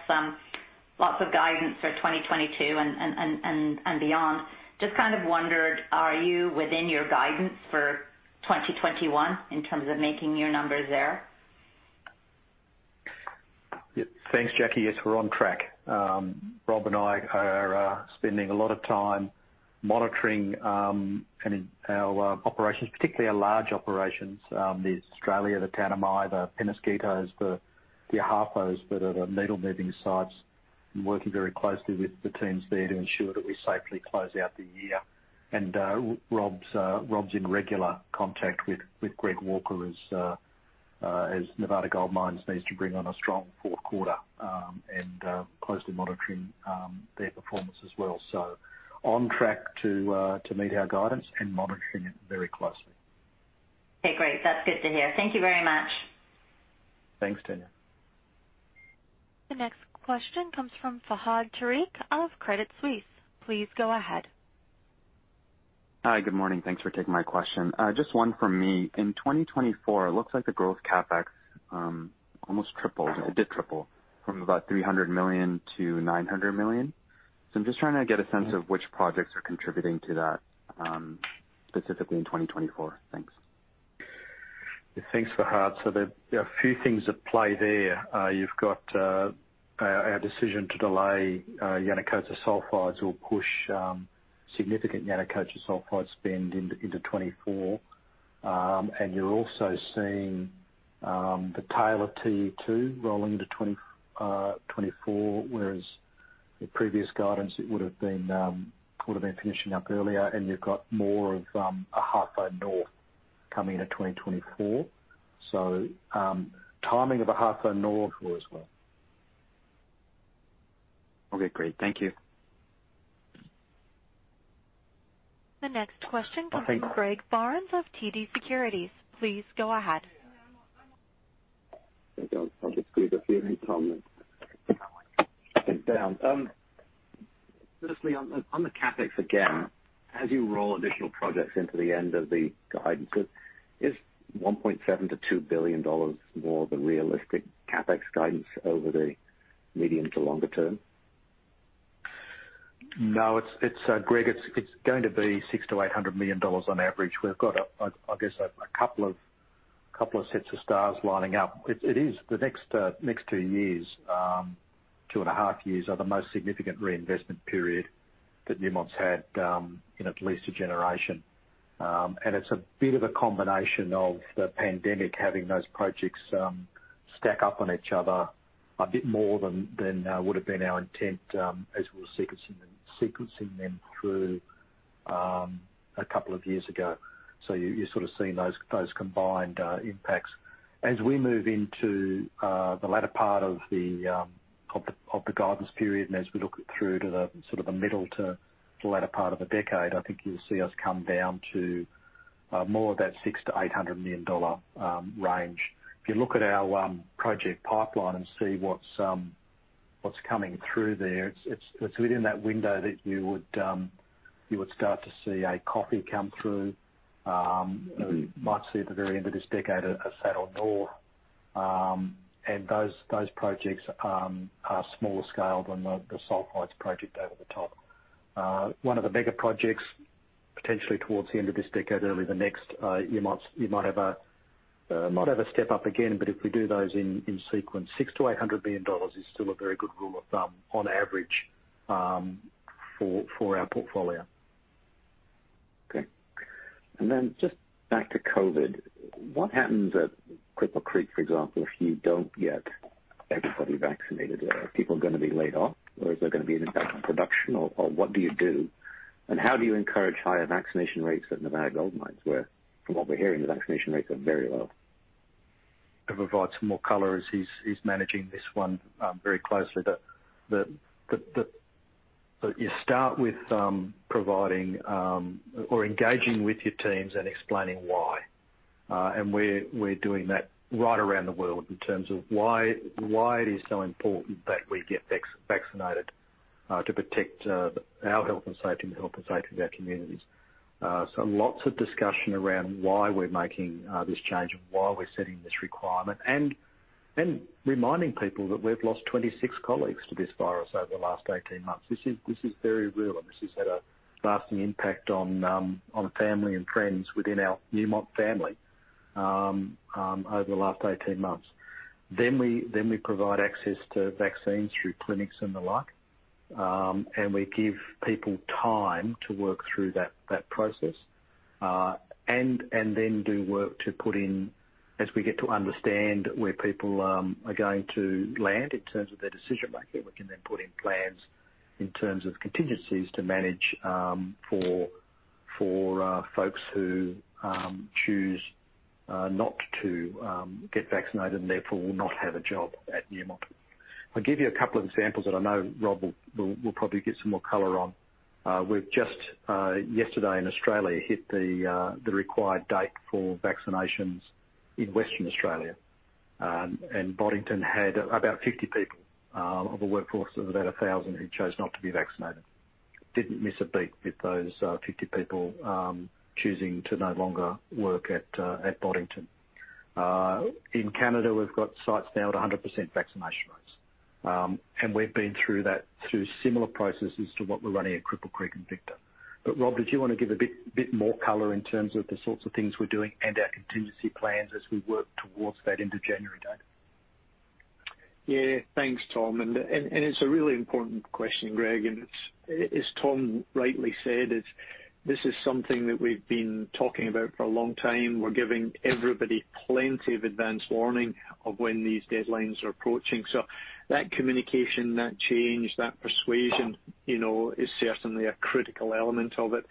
lots of guidance for 2022 and beyond. Just kind of wondered, are you within your guidance for 2021 in terms of making your numbers there? Yeah. Thanks, Jackie. Yes, we're on track. Rob and I are spending a lot of time monitoring our operations, particularly our large operations, the Australia, the Tanami, the Penasquito, the Ahafo that are the needle-moving sites, and working very closely with the teams there to ensure that we safely close out the year. Rob's in regular contact with Greg Walker as Nevada Gold Mines needs to bring on a strong fourth quarter, and closely monitoring their performance as well. On track to meet our guidance and monitoring it very closely. Okay, great. That's good to hear. Thank you very much. Thanks, Tanya. The next question comes from Fahad Tariq of Credit Suisse. Please go ahead. Hi. Good morning. Thanks for taking my question. Just one from me. In 2024, it looks like the growth CapEx almost tripled. It did triple from about $300 million to $900 million. I'm just trying to get a sense of which projects are contributing to that, specifically in 2024. Thanks. Thanks, Fahad. There are a few things at play there. You've got our decision to delay Yanacocha Sulfides. We'll push significant Yanacocha Sulfides spend into 2024. You're also seeing the tail of TE2 rolling into 2024, whereas the previous guidance, it would've been finishing up earlier. You've got more of Ahafo North coming in at 2024. Timing of Ahafo North as well. Okay, great. Thank you. The next question comes from Greg Barnes of TD Securities. Please go ahead. think I'll probably speak a few of them, Tom, then. Thanks, Dan. Firstly on the CapEx again, as you roll additional projects into the end of the guidance, is $1.7 billion-$2 billion more the realistic CapEx guidance over the medium to longer term? No, it's Greg. It's going to be $600 million-$800 million on average. We've got, I guess, a couple of sets of stars lining up. It is the next two years, two and a half years are the most significant reinvestment period that Newmont's had in at least a generation. It's a bit of a combination of the pandemic having those projects stack up on each other a bit more than would've been our intent as we're sequencing them through a couple of years ago. You're sort of seeing those combined impacts. As we move into the latter part of the guidance period, and as we look through to sort of the middle to the latter part of the decade, I think you'll see us come down to more of that $600 million-$800 million range. If you look at our project pipeline and see what's coming through there, it's within that window that you would start to see Ahafo come through. You might see at the very end of this decade, a Saddle North. Those projects are smaller scale than the sulfides project over the top. One of the mega projects potentially towards the end of this decade, early the next, you might have a step up again, but if we do those in sequence, $600 million-$800 million is still a very good rule of thumb on average, for our portfolio. Okay. Just back to COVID. What happens at Cripple Creek, for example, if you don't get everybody vaccinated? Are people gonna be laid off or is there gonna be an impact on production or what do you do? How do you encourage higher vaccination rates at Nevada Gold Mines, where from what we're hearing, the vaccination rates are very low? I'll provide some more color as he's managing this one very closely. You start with providing or engaging with your teams and explaining why. We're doing that right around the world in terms of why it is so important that we get vaccinated to protect our health and safety and the health and safety of our communities. Lots of discussion around why we're making this change and why we're setting this requirement, and reminding people that we've lost 26 colleagues to this virus over the last 18 months. This is very real, and this has had a lasting impact on family and friends within our Newmont family over the last 18 months. We provide access to vaccines through clinics and the like, and we give people time to work through that process. We do work to put in as we get to understand where people are going to land in terms of their decision making. We can put in plans in terms of contingencies to manage for folks who choose not to get vaccinated and therefore will not have a job at Newmont. I'll give you a couple of examples that I know Rob will probably give some more color on. We've just yesterday in Australia hit the required date for vaccinations in Western Australia. Boddington had about 50 people of a workforce of about 1,000 who chose not to be vaccinated. Didn't miss a beat with those 50 people choosing to no longer work at Boddington. In Canada, we've got sites now at 100% vaccination rates. We've been through that through similar processes to what we're running at Cripple Creek & Victor. Rob, did you want to give a bit more color in terms of the sorts of things we're doing and our contingency plans as we work towards that into January date? Yeah. Thanks, Tom. It's a really important question, Greg, as Tom rightly said, this is something that we've been talking about for a long time. We're giving everybody plenty of advance warning of when these deadlines are approaching. That communication, that change, that persuasion, you know, is certainly a critical element of it.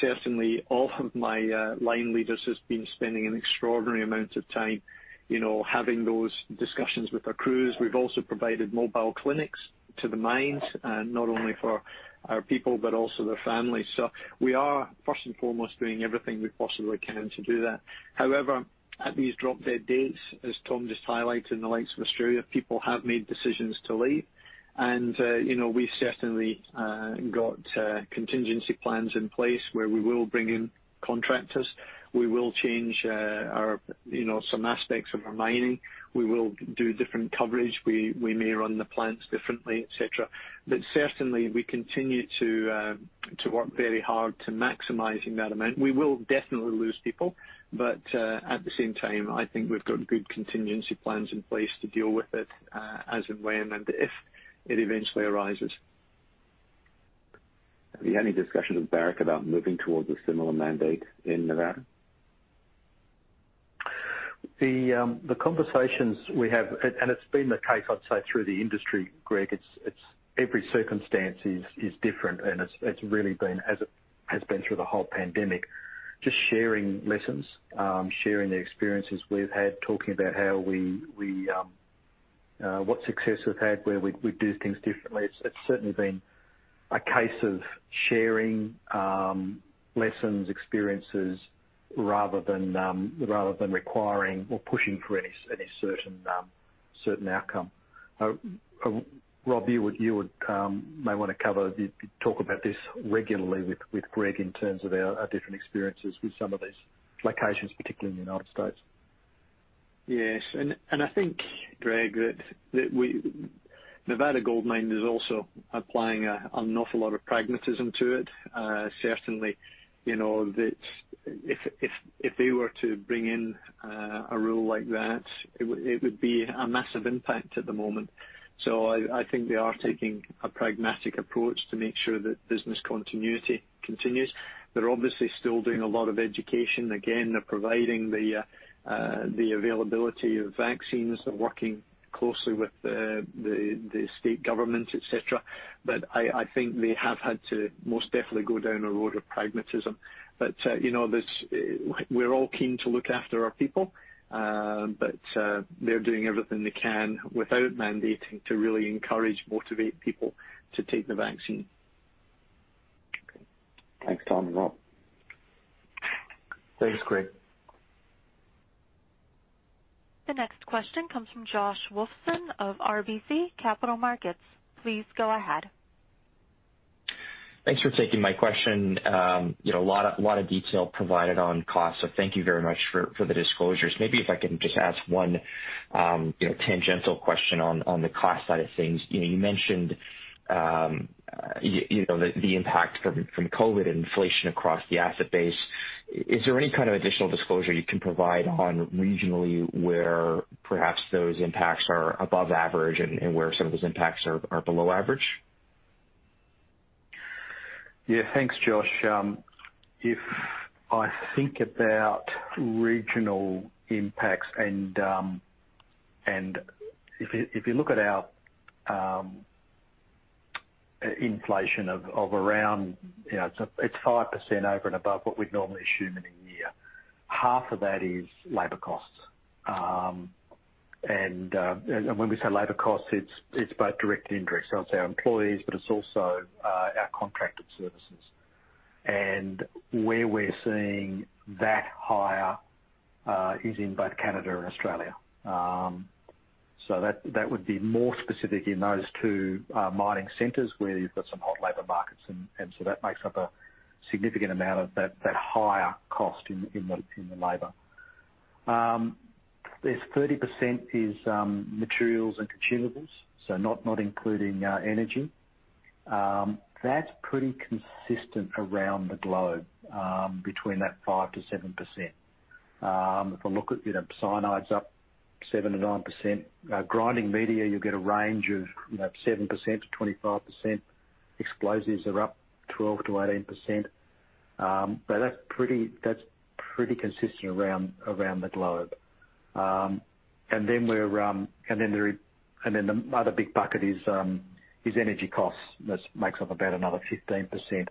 Certainly all of my line leaders has been spending an extraordinary amount of time, you know, having those discussions with our crews. We've also provided mobile clinics to the mines, and not only for our people, but also their families. We are first and foremost doing everything we possibly can to do that. However, at these drop dead dates, as Tom just highlighted, in the likes of Australia, people have made decisions to leave. you know, we've certainly got contingency plans in place where we will bring in contractors. We will change our you know some aspects of our mining. We will do different coverage. We may run the plants differently, et cetera. certainly we continue to work very hard to maximizing that amount. We will definitely lose people, but at the same time, I think we've got good contingency plans in place to deal with it as and when and if it eventually arises. Have you had any discussions with Barrick about moving towards a similar mandate in Nevada? The conversations we have, and it's been the case I'd say through the industry, Greg, it's every circumstance is different, and it's really been as it has been through the whole pandemic. Just sharing lessons, sharing the experiences we've had, talking about how we what success we've had, where we'd do things differently. It's certainly been a case of sharing lessons, experiences, rather than rather than requiring or pushing for any certain outcome. Rob, you may wanna cover, you talk about this regularly with Greg in terms of our different experiences with some of these locations, particularly in the United States. Yes. I think, Greg, that Nevada Gold Mines is also applying an awful lot of pragmatism to it. Certainly, you know, that if they were to bring in a rule like that, it would be a massive impact at the moment. I think they are taking a pragmatic approach to make sure that business continuity continues. They're obviously still doing a lot of education. Again, they're providing the availability of vaccines. They're working closely with the state government, etc. I think they have had to most definitely go down a road of pragmatism. You know, we're all keen to look after our people, but they're doing everything they can without mandating to really encourage, motivate people to take the vaccine. Thanks, Tom and Rob. Thanks, Greg. The next question comes from Joshua Wolfson of RBC Capital Markets. Please go ahead. Thanks for taking my question. You know, a lot of detail provided on costs, so thank you very much for the disclosures. Maybe if I can just ask one, you know, tangential question on the cost side of things. You know, you mentioned, you know, the impact from COVID inflation across the asset base. Is there any kind of additional disclosure you can provide on regionally where perhaps those impacts are above average and where some of those impacts are below average? Yeah. Thanks, Josh. If I think about regional impacts, and if you look at our inflation of around, you know, it's 5% over and above what we'd normally assume in a year. Half of that is labor costs. When we say labor costs, it's both direct and indirect. It's our employees, but it's also our contracted services. Where we're seeing that higher is in both Canada and Australia. That would be more specific in those two mining centers where you've got some hot labor markets and that makes up a significant amount of that higher cost in the labor. 30% is materials and consumables, not including energy. That's pretty consistent around the globe, between that 5%-7%. If I look at, you know, cyanide's up 7%-9%. Grinding media, you'll get a range of, you know, 7%-25%. Explosives are up 12%-18%. That's pretty consistent around the globe. The other big bucket is energy costs. That makes up about another 15%.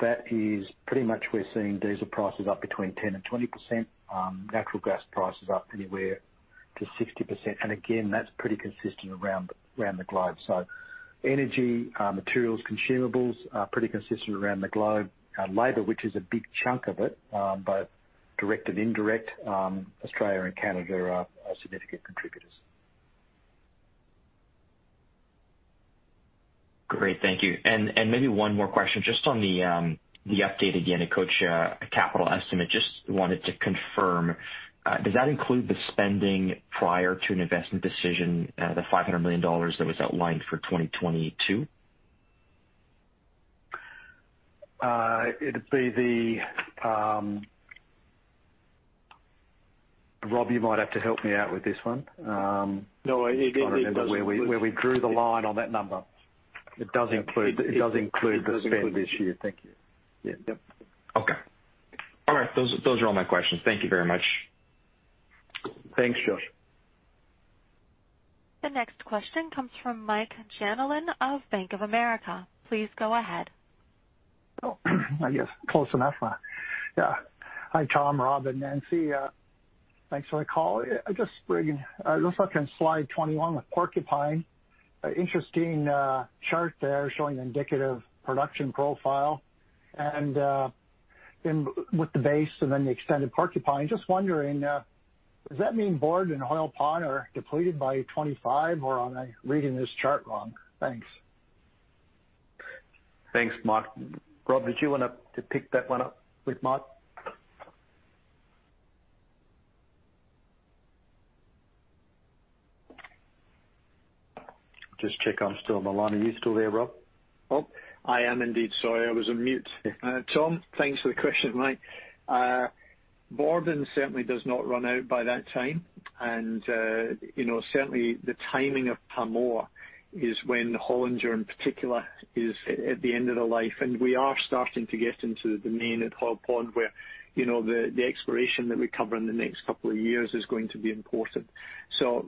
That's pretty much we're seeing diesel prices up between 10% and 20%, natural gas prices up anywhere to 60%. Again, that's pretty consistent around the globe. Energy, materials, consumables are pretty consistent around the globe. Labor, which is a big chunk of it, both direct and indirect, Australia and Canada are significant contributors. Great. Thank you. Maybe one more question just on the update, again, Yanacocha capital estimate. Just wanted to confirm, does that include the spending prior to an investment decision, the $500 million that was outlined for 2022? Rob, you might have to help me out with this one. No, it does. I'm trying to remember where we drew the line on that number. It does include the spend this year. Thank you. Yeah. Yep. Okay. All right. Those are all my questions. Thank you very much. Thanks, Josh. The next question comes from Michael Jalonen of Bank of America. Please go ahead. Oh, I guess close enough. Yeah. Hi, Tom, Rob, and Nancy. Thanks for the call. I was looking at slide 21 with Porcupine. Interesting chart there showing the indicative production profile. With the base and then the extended Porcupine, just wondering, does that mean Borden and Hoyle Pond are depleted by 2025, or am I reading this chart wrong? Thanks. Thanks, Mike. Rob, did you want to pick that one up with Mike? Just check I'm still on the line. Are you still there, Rob? I am indeed. Sorry, I was on mute. Tom, thanks for the question, Mike. Borden certainly does not run out by that time. You know, certainly the timing of Pamour is when Hollinger in particular is at the end of the life. We are starting to get into the main at Hoyle Pond where, you know, the exploration that we cover in the next couple of years is going to be important.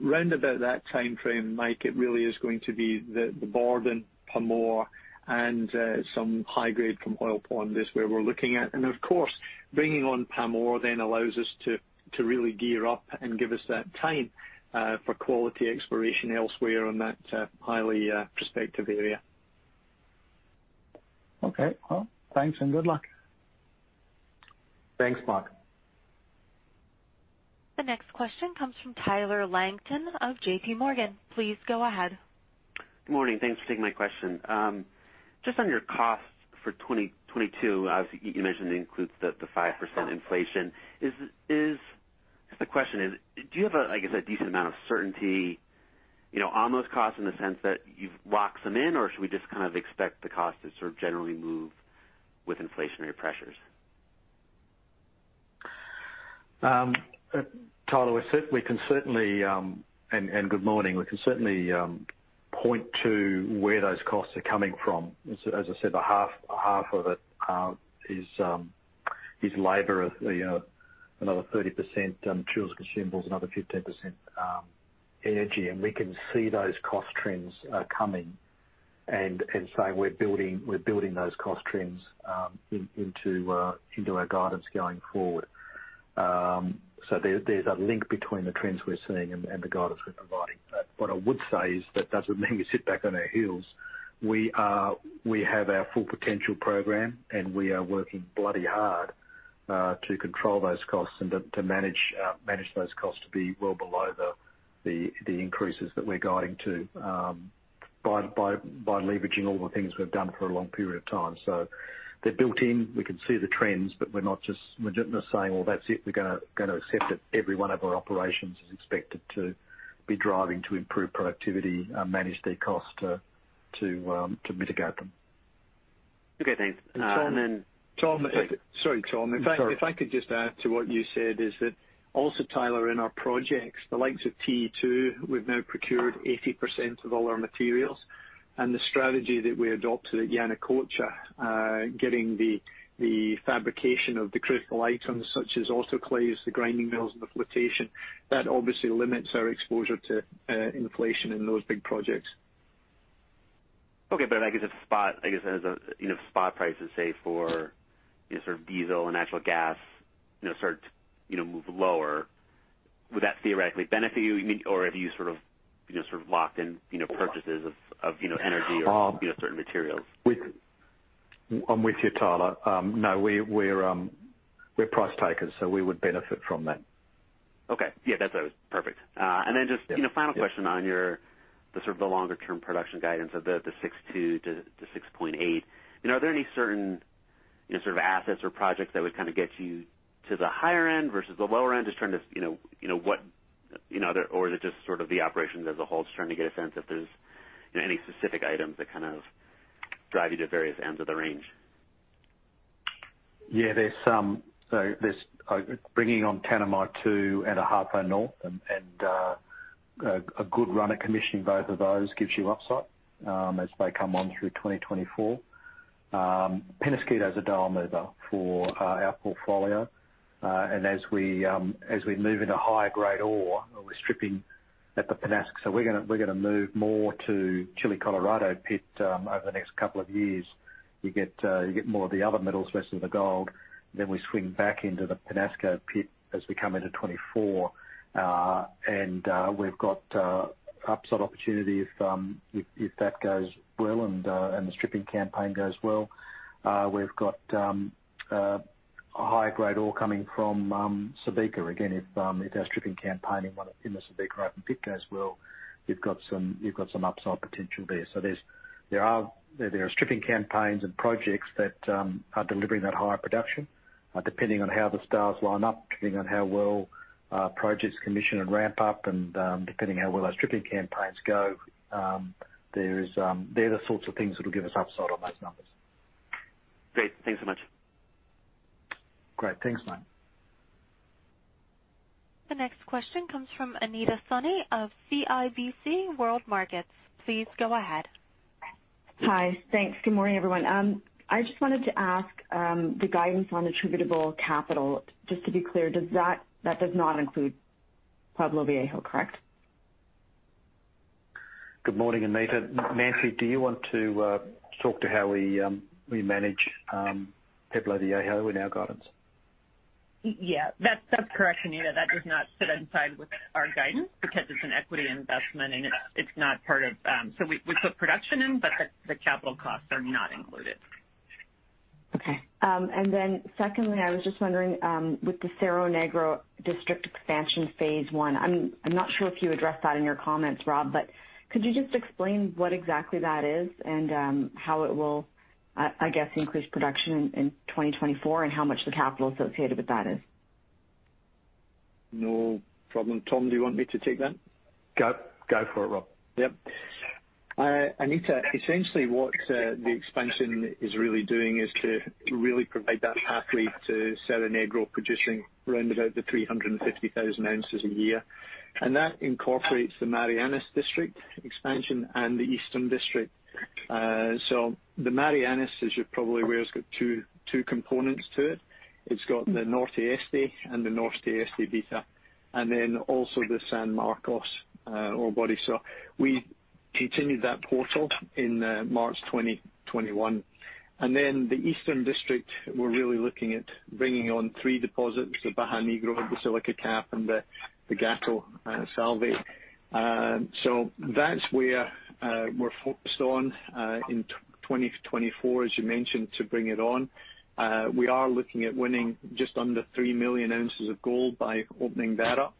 Round about that timeframe, Mike, it really is going to be the Borden, Pamour, and some high grade from Hoyle Pond is where we're looking at. Of course, bringing on Pamour then allows us to really gear up and give us that time for quality exploration elsewhere on that highly prospective area. Okay. Well, thanks and good luck. Thanks, Mike. The next question comes from Tyler Langton of JPMorgan. Please go ahead. Good morning. Thanks for taking my question. Just on your costs for 2022, obviously you mentioned it includes the five percent inflation. Is... I guess the question is, do you have a, I guess, a decent amount of certainty, you know, on those costs in the sense that you've locked them in, or should we just kind of expect the cost to sort of generally move with inflationary pressures? Tyler, good morning. We can certainly point to where those costs are coming from. As I said, a half of it is labor, you know, another 30%, tools, consumables, another 15%, energy. We can see those cost trends coming, so we're building those cost trends into our guidance going forward. There is a link between the trends we're seeing and the guidance we're providing. What I would say is that doesn't mean we sit back on our heels. We have our Full Potential program, and we are working bloody hard to control those costs and to manage those costs to be well below the increases that we're guiding to by leveraging all the things we've done for a long period of time. They're built in, we can see the trends, but we're not just saying, "Well, that's it, we're gonna accept it." Every one of our operations is expected to be driving to improve productivity and manage their cost to mitigate them. Okay, thanks. Tom, if it- Sorry. Sorry, Tom. Sorry. If I could just add to what you said, is that also, Tyler, in our projects, the likes of T2, we've now procured 80% of all our materials. The strategy that we adopted at Yanacocha, getting the fabrication of the critical items such as autoclaves, the grinding mills, and the flotation, that obviously limits our exposure to inflation in those big projects. Okay. I guess as a, you know, spot prices, say for, you know, sort of diesel and natural gas, you know, start to, you know, move lower, would that theoretically benefit you mean, or have you sort of, you know, sort of locked in, you know, purchases of, you know, energy or, you know, certain materials? I'm with you, Tyler. No, we're price takers, so we would benefit from that. Okay. Yeah, that's what I was. Perfect. Yeah. You know, final question on the sort of longer-term production guidance of the 6.2 to 6.8. You know, are there any certain, you know, sort of assets or projects that would kinda get you to the higher end versus the lower end? Just trying to, you know, what, you know, or is it just sort of the operations as a whole? Just trying to get a sense if there's, you know, any specific items that kind of drive you to various ends of the range. Yeah, there's some bringing on Tanami Expansion 2 and Ahafo North, and a good run at commissioning both of those gives you upside as they come on through 2024. Penasquito's a deal mover for our portfolio. As we move into higher grade ore, we're stripping at the Penasquito. We're gonna move more to Chile Colorado Pit over the next couple of years. You get more of the other metals, rest of the gold. We swing back into the Penasquito Pit as we come into 2024. We've got upside opportunity if that goes well and the stripping campaign goes well. We've got a higher grade ore coming from Subika. Again, if our stripping campaign in the Subika open pit goes well, you've got some upside potential there. There are stripping campaigns and projects that are delivering that higher production. Depending on how the stars line up, depending on how well projects commission and ramp up, and depending on how well those stripping campaigns go, there is, they're the sorts of things that'll give us upside on those numbers. Great. Thanks so much. Great. Thanks, man. The next question comes from Anita Soni of CIBC World Markets. Please go ahead. Hi. Thanks. Good morning, everyone. I just wanted to ask, the guidance on attributable capital, just to be clear, does that not include Pueblo Viejo, correct? Good morning, Anita. Nancy, do you want to talk about how we manage Pueblo Viejo in our guidance? Yeah. That's correct, Anita. That does not sit inside with our guidance because it's an equity investment and it's not part of. We put production in, but the capital costs are not included. Okay. Secondly, I was just wondering, with the Cerro Negro district expansion phase one, I'm not sure if you addressed that in your comments, Rob, but could you just explain what exactly that is and how it will, I guess, increase production in 2024 and how much the capital associated with that is? No problem. Tom, do you want me to take that? Go for it, Rob. Yep. Anita, essentially what the expansion is really doing is to really provide that pathway to Cerro Negro producing around about 350,000 ounces a year. That incorporates the Marianas District expansion and the Eastern District. The Marianas, as you're probably aware, has got two components to it. It's got the Norte Este and the Norte Este Beta, and then also the San Marcos ore body. We continued that portal in March 2021. The Eastern District, we're really looking at bringing on three deposits, the Bajo Negro, the Silica Cap, and the Gato Salvaje. That's where we're focused on in 2024, as you mentioned, to bring it on. We are looking at mining just under 3 million ounces of gold by opening that up.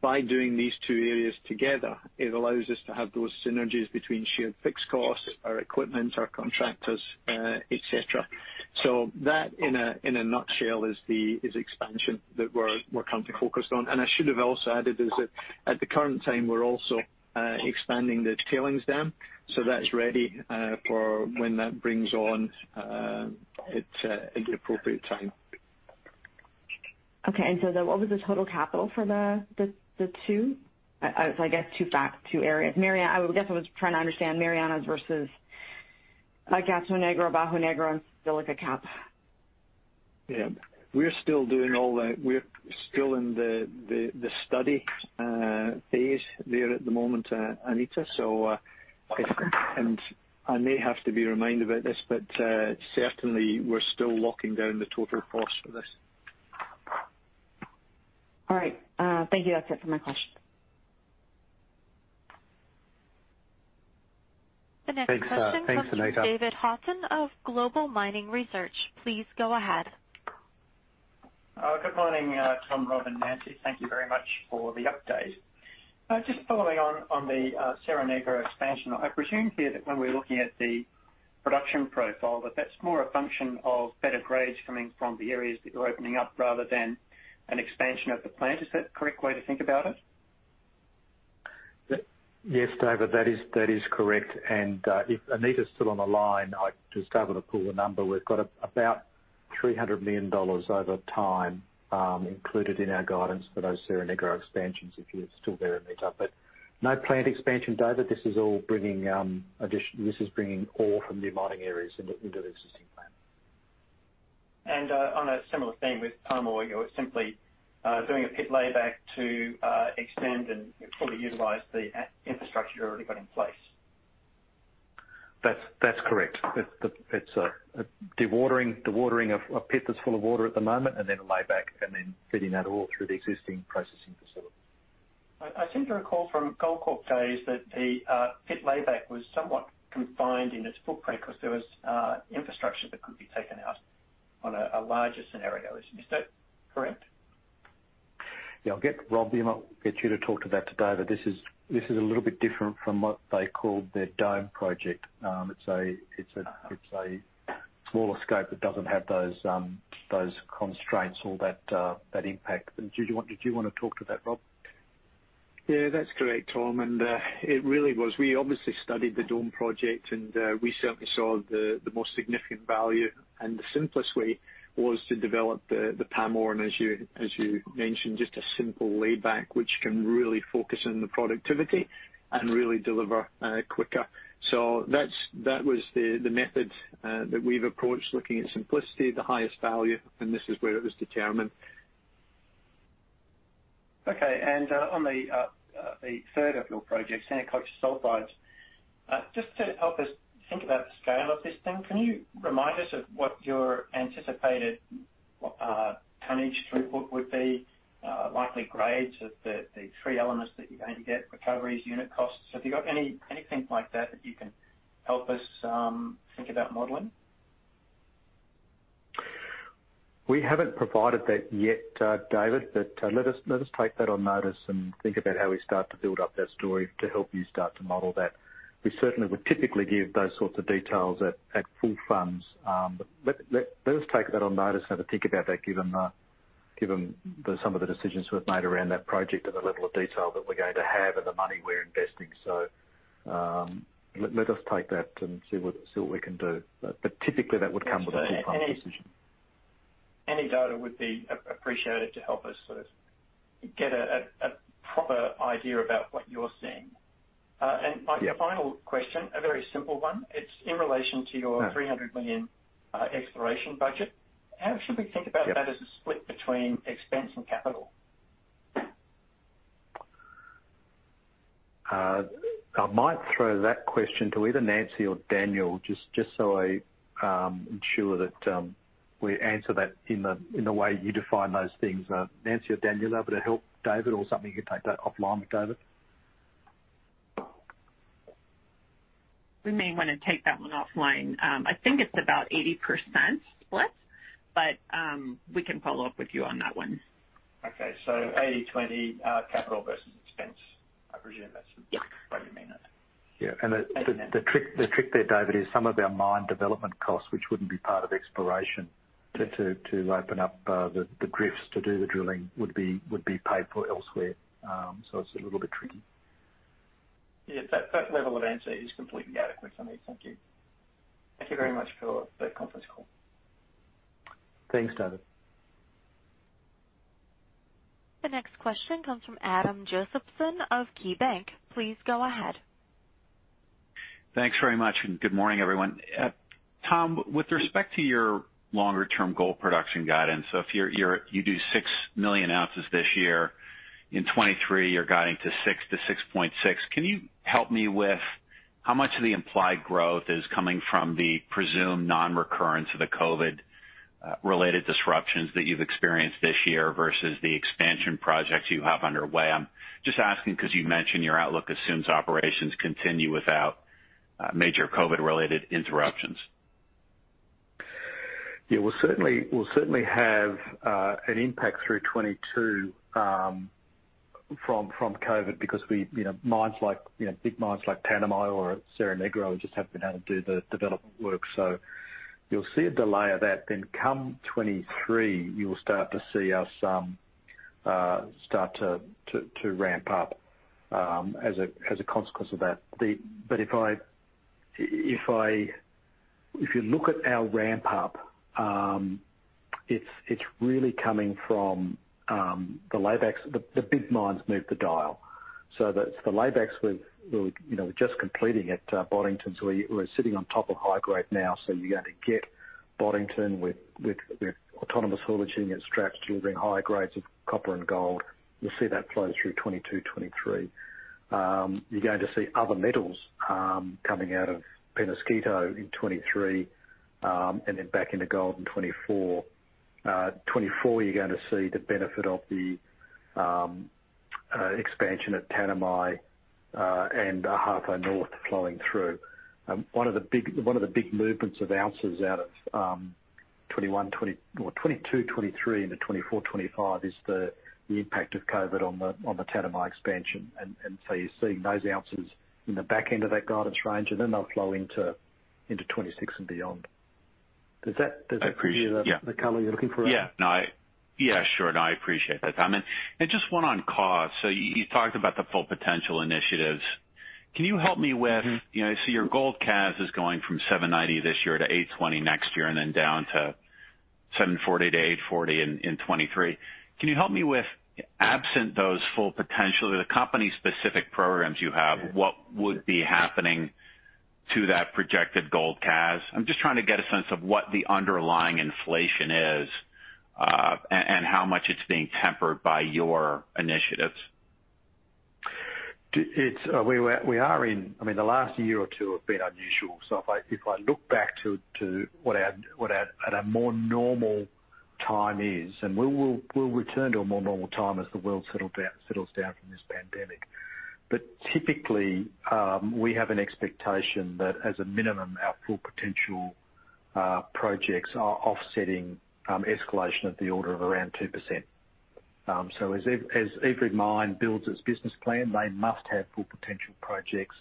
By doing these two areas together, it allows us to have those synergies between shared fixed costs, our equipment, our contractors, etc. That in a nutshell is the expansion that we're currently focused on. I should have also added is that at the current time, we're also expanding the tailings dam, so that's ready for when that brings on at the appropriate time. Okay. What was the total capital for the two? I guess two assets, two areas. Merian. I guess I was trying to understand Merian versus Cerro Negro, Bajo Negro and Silica Cap. Yeah. We're still in the study phase there at the moment, Anita. I may have to be reminded about this, but certainly we're still locking down the total cost for this. All right. Thank you. That's it for my question. Thanks, Anita. The next question comes from David Haughton of Global Mining Research. Please go ahead. Good morning, Tom, Rob and Nancy. Thank you very much for the update. Just following on the Cerro Negro expansion. I presume here that when we're looking at the production profile, that that's more a function of better grades coming from the areas that you're opening up rather than an expansion of the plant. Is that the correct way to think about it? Yes, David, that is correct. If Anita's still on the line, I'd just be able to pull the number. We've got about $300 million over time included in our guidance for those Cerro Negro expansions, if you're still there, Anita. No plant expansion, David. This is all bringing ore from new mining areas into the existing plant. On a similar theme with Pamour, you're simply doing a pit layback to extend and fully utilize the infrastructure you've already got in place. That's correct. It's a dewatering of a pit that's full of water at the moment and then a layback and then feeding that all through the existing processing facility. I seem to recall from Goldcorp days that the pit layback was somewhat confined in its footprint 'cause there was infrastructure that could be taken out on a larger scenario. Is that correct? Yeah, I'll get Rob. He might get you to talk to that, to David. This is a little bit different from what they called the Dome Project. It's a smaller scope that doesn't have those constraints or that impact. Did you wanna talk to that, Rob? Yeah, that's correct, Tom. It really was. We obviously studied the Dome Project, and we certainly saw the most significant value. The simplest way was to develop the Pamour. As you mentioned, just a simple layback which can really focus on the productivity and really deliver quicker. That was the method that we've approached looking at simplicity, the highest value, and this is where it was determined. Okay. On the third of your projects, Yanacocha Sulfides, just to help us think about the scale of this thing, can you remind us of what your anticipated tonnage throughput would be, likely grades of the three elements that you're going to get, recoveries, unit costs? Have you got anything like that that you can help us think about modeling? We haven't provided that yet, David Haughton, but let us take that on notice and think about how we start to build up that story to help you start to model that. We certainly would typically give those sorts of details at full funding. Let us take that on notice how to think about that, given some of the decisions we've made around that project and the level of detail that we're going to have and the money we're investing. Let us take that and see what we can do. Typically that would come with a full funding decision. Any data would be appreciated to help us sort of get a proper idea about what you're seeing. Yeah. My final question, a very simple one. It's in relation to your- Yeah. $300 million exploration budget. How should we think about that as a split between expense and capital? I might throw that question to either Nancy or Daniel, just so I ensure that we answer that in the way you define those things. Nancy or Daniel, able to help David or something you could take that offline with David? We may wanna take that one offline. I think it's about 80% split, but we can follow up with you on that one. Okay. 80/20, capital versus expense. I presume that's- Yeah. What you mean then. Yeah. The trick there, David, is some of our mine development costs, which wouldn't be part of exploration to open up the drifts to do the drilling, would be paid for elsewhere. So it's a little bit tricky. Yeah. That level of answer is completely adequate for me. Thank you. Thank you very much for the conference call. Thanks, David. The next question comes from Adam Josephson of KeyBanc. Please go ahead. Thanks very much, and good morning, everyone. Tom, with respect to your longer-term gold production guidance, so if you do 6 million ounces this year, in 2023, you're guiding to 6-6.6. Can you help me with how much of the implied growth is coming from the presumed non-recurrence of the COVID-related disruptions that you've experienced this year versus the expansion projects you have underway? I'm just asking 'cause you mentioned your outlook assumes operations continue without major COVID-related interruptions. We'll certainly have an impact through 2022 from COVID because, you know, mines like big mines like Panama or Cerro Negro just haven't been able to do the development work. So you'll see a delay of that. You'll start to see us start to ramp up as a consequence of that. If you look at our ramp up, it's really coming from the laybacks. The big mines move the dial, so the laybacks we're just completing at Boddington, so we're sitting on top of high grade now, so you're going to get Boddington with autonomous haulage and trucks delivering high grades of copper and gold. You'll see that flow through 2022, 2023. You're going to see other metals coming out of Penasquito in 2023, and then back into gold in 2024. 2024, you're gonna see the benefit of the expansion at Tanami and Ahafo North flowing through. One of the big movements of ounces out of 2021, 2022, 2023 into 2024, 2025 is the impact of COVID on the Tanami expansion. You're seeing those ounces in the back end of that guidance range, and then they'll flow into 2026 and beyond. Does that- I appreciate. Give you the- Yeah. The color you're looking for? Yeah. No, yeah, sure. No, I appreciate that, Tom. Just one on cost. You talked about the Full Potential initiatives. Can you help me with- Mm-hmm. You know, I see your gold CAS is going from $790 this year to $820 next year, and then down to $740-$840 in 2023. Can you help me with, absent those Full Potential, the company-specific programs you have- Yeah. What would be happening to that projected gold CAS? I'm just trying to get a sense of what the underlying inflation is, and how much it's being tempered by your initiatives. We are in. I mean, the last year or two have been unusual. If I look back to what we were at a more normal time, we'll return to a more normal time as the world settles down from this pandemic. Typically, we have an expectation that as a minimum, our Full Potential projects are offsetting escalation of the order of around 2%. As every mine builds its business plan, they must have Full Potential projects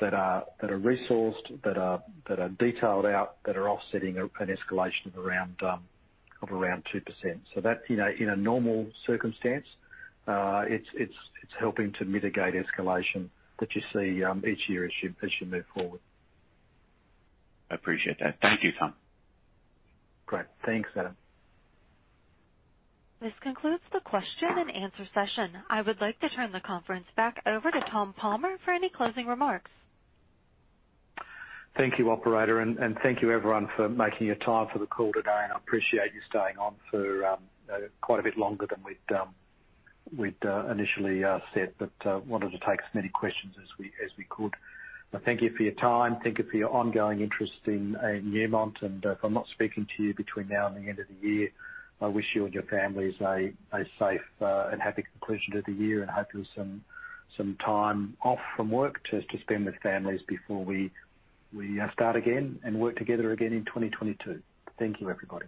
that are resourced, that are detailed out, that are offsetting an escalation of around 2%. That, you know, in a normal circumstance, it's helping to mitigate escalation that you see each year as you move forward. Appreciate that. Thank you, Tom. Great. Thanks, Adam. This concludes the question and answer session. I would like to turn the conference back over to Tom Palmer for any closing remarks. Thank you, operator, and thank you everyone for making your time for the call today. I appreciate you staying on for quite a bit longer than we'd initially said. Wanted to take as many questions as we could. Thank you for your time. Thank you for your ongoing interest in Newmont. If I'm not speaking to you between now and the end of the year, I wish you and your families a safe and happy conclusion to the year, and hopefully some time off from work to spend with families before we start again and work together again in 2022. Thank you, everybody.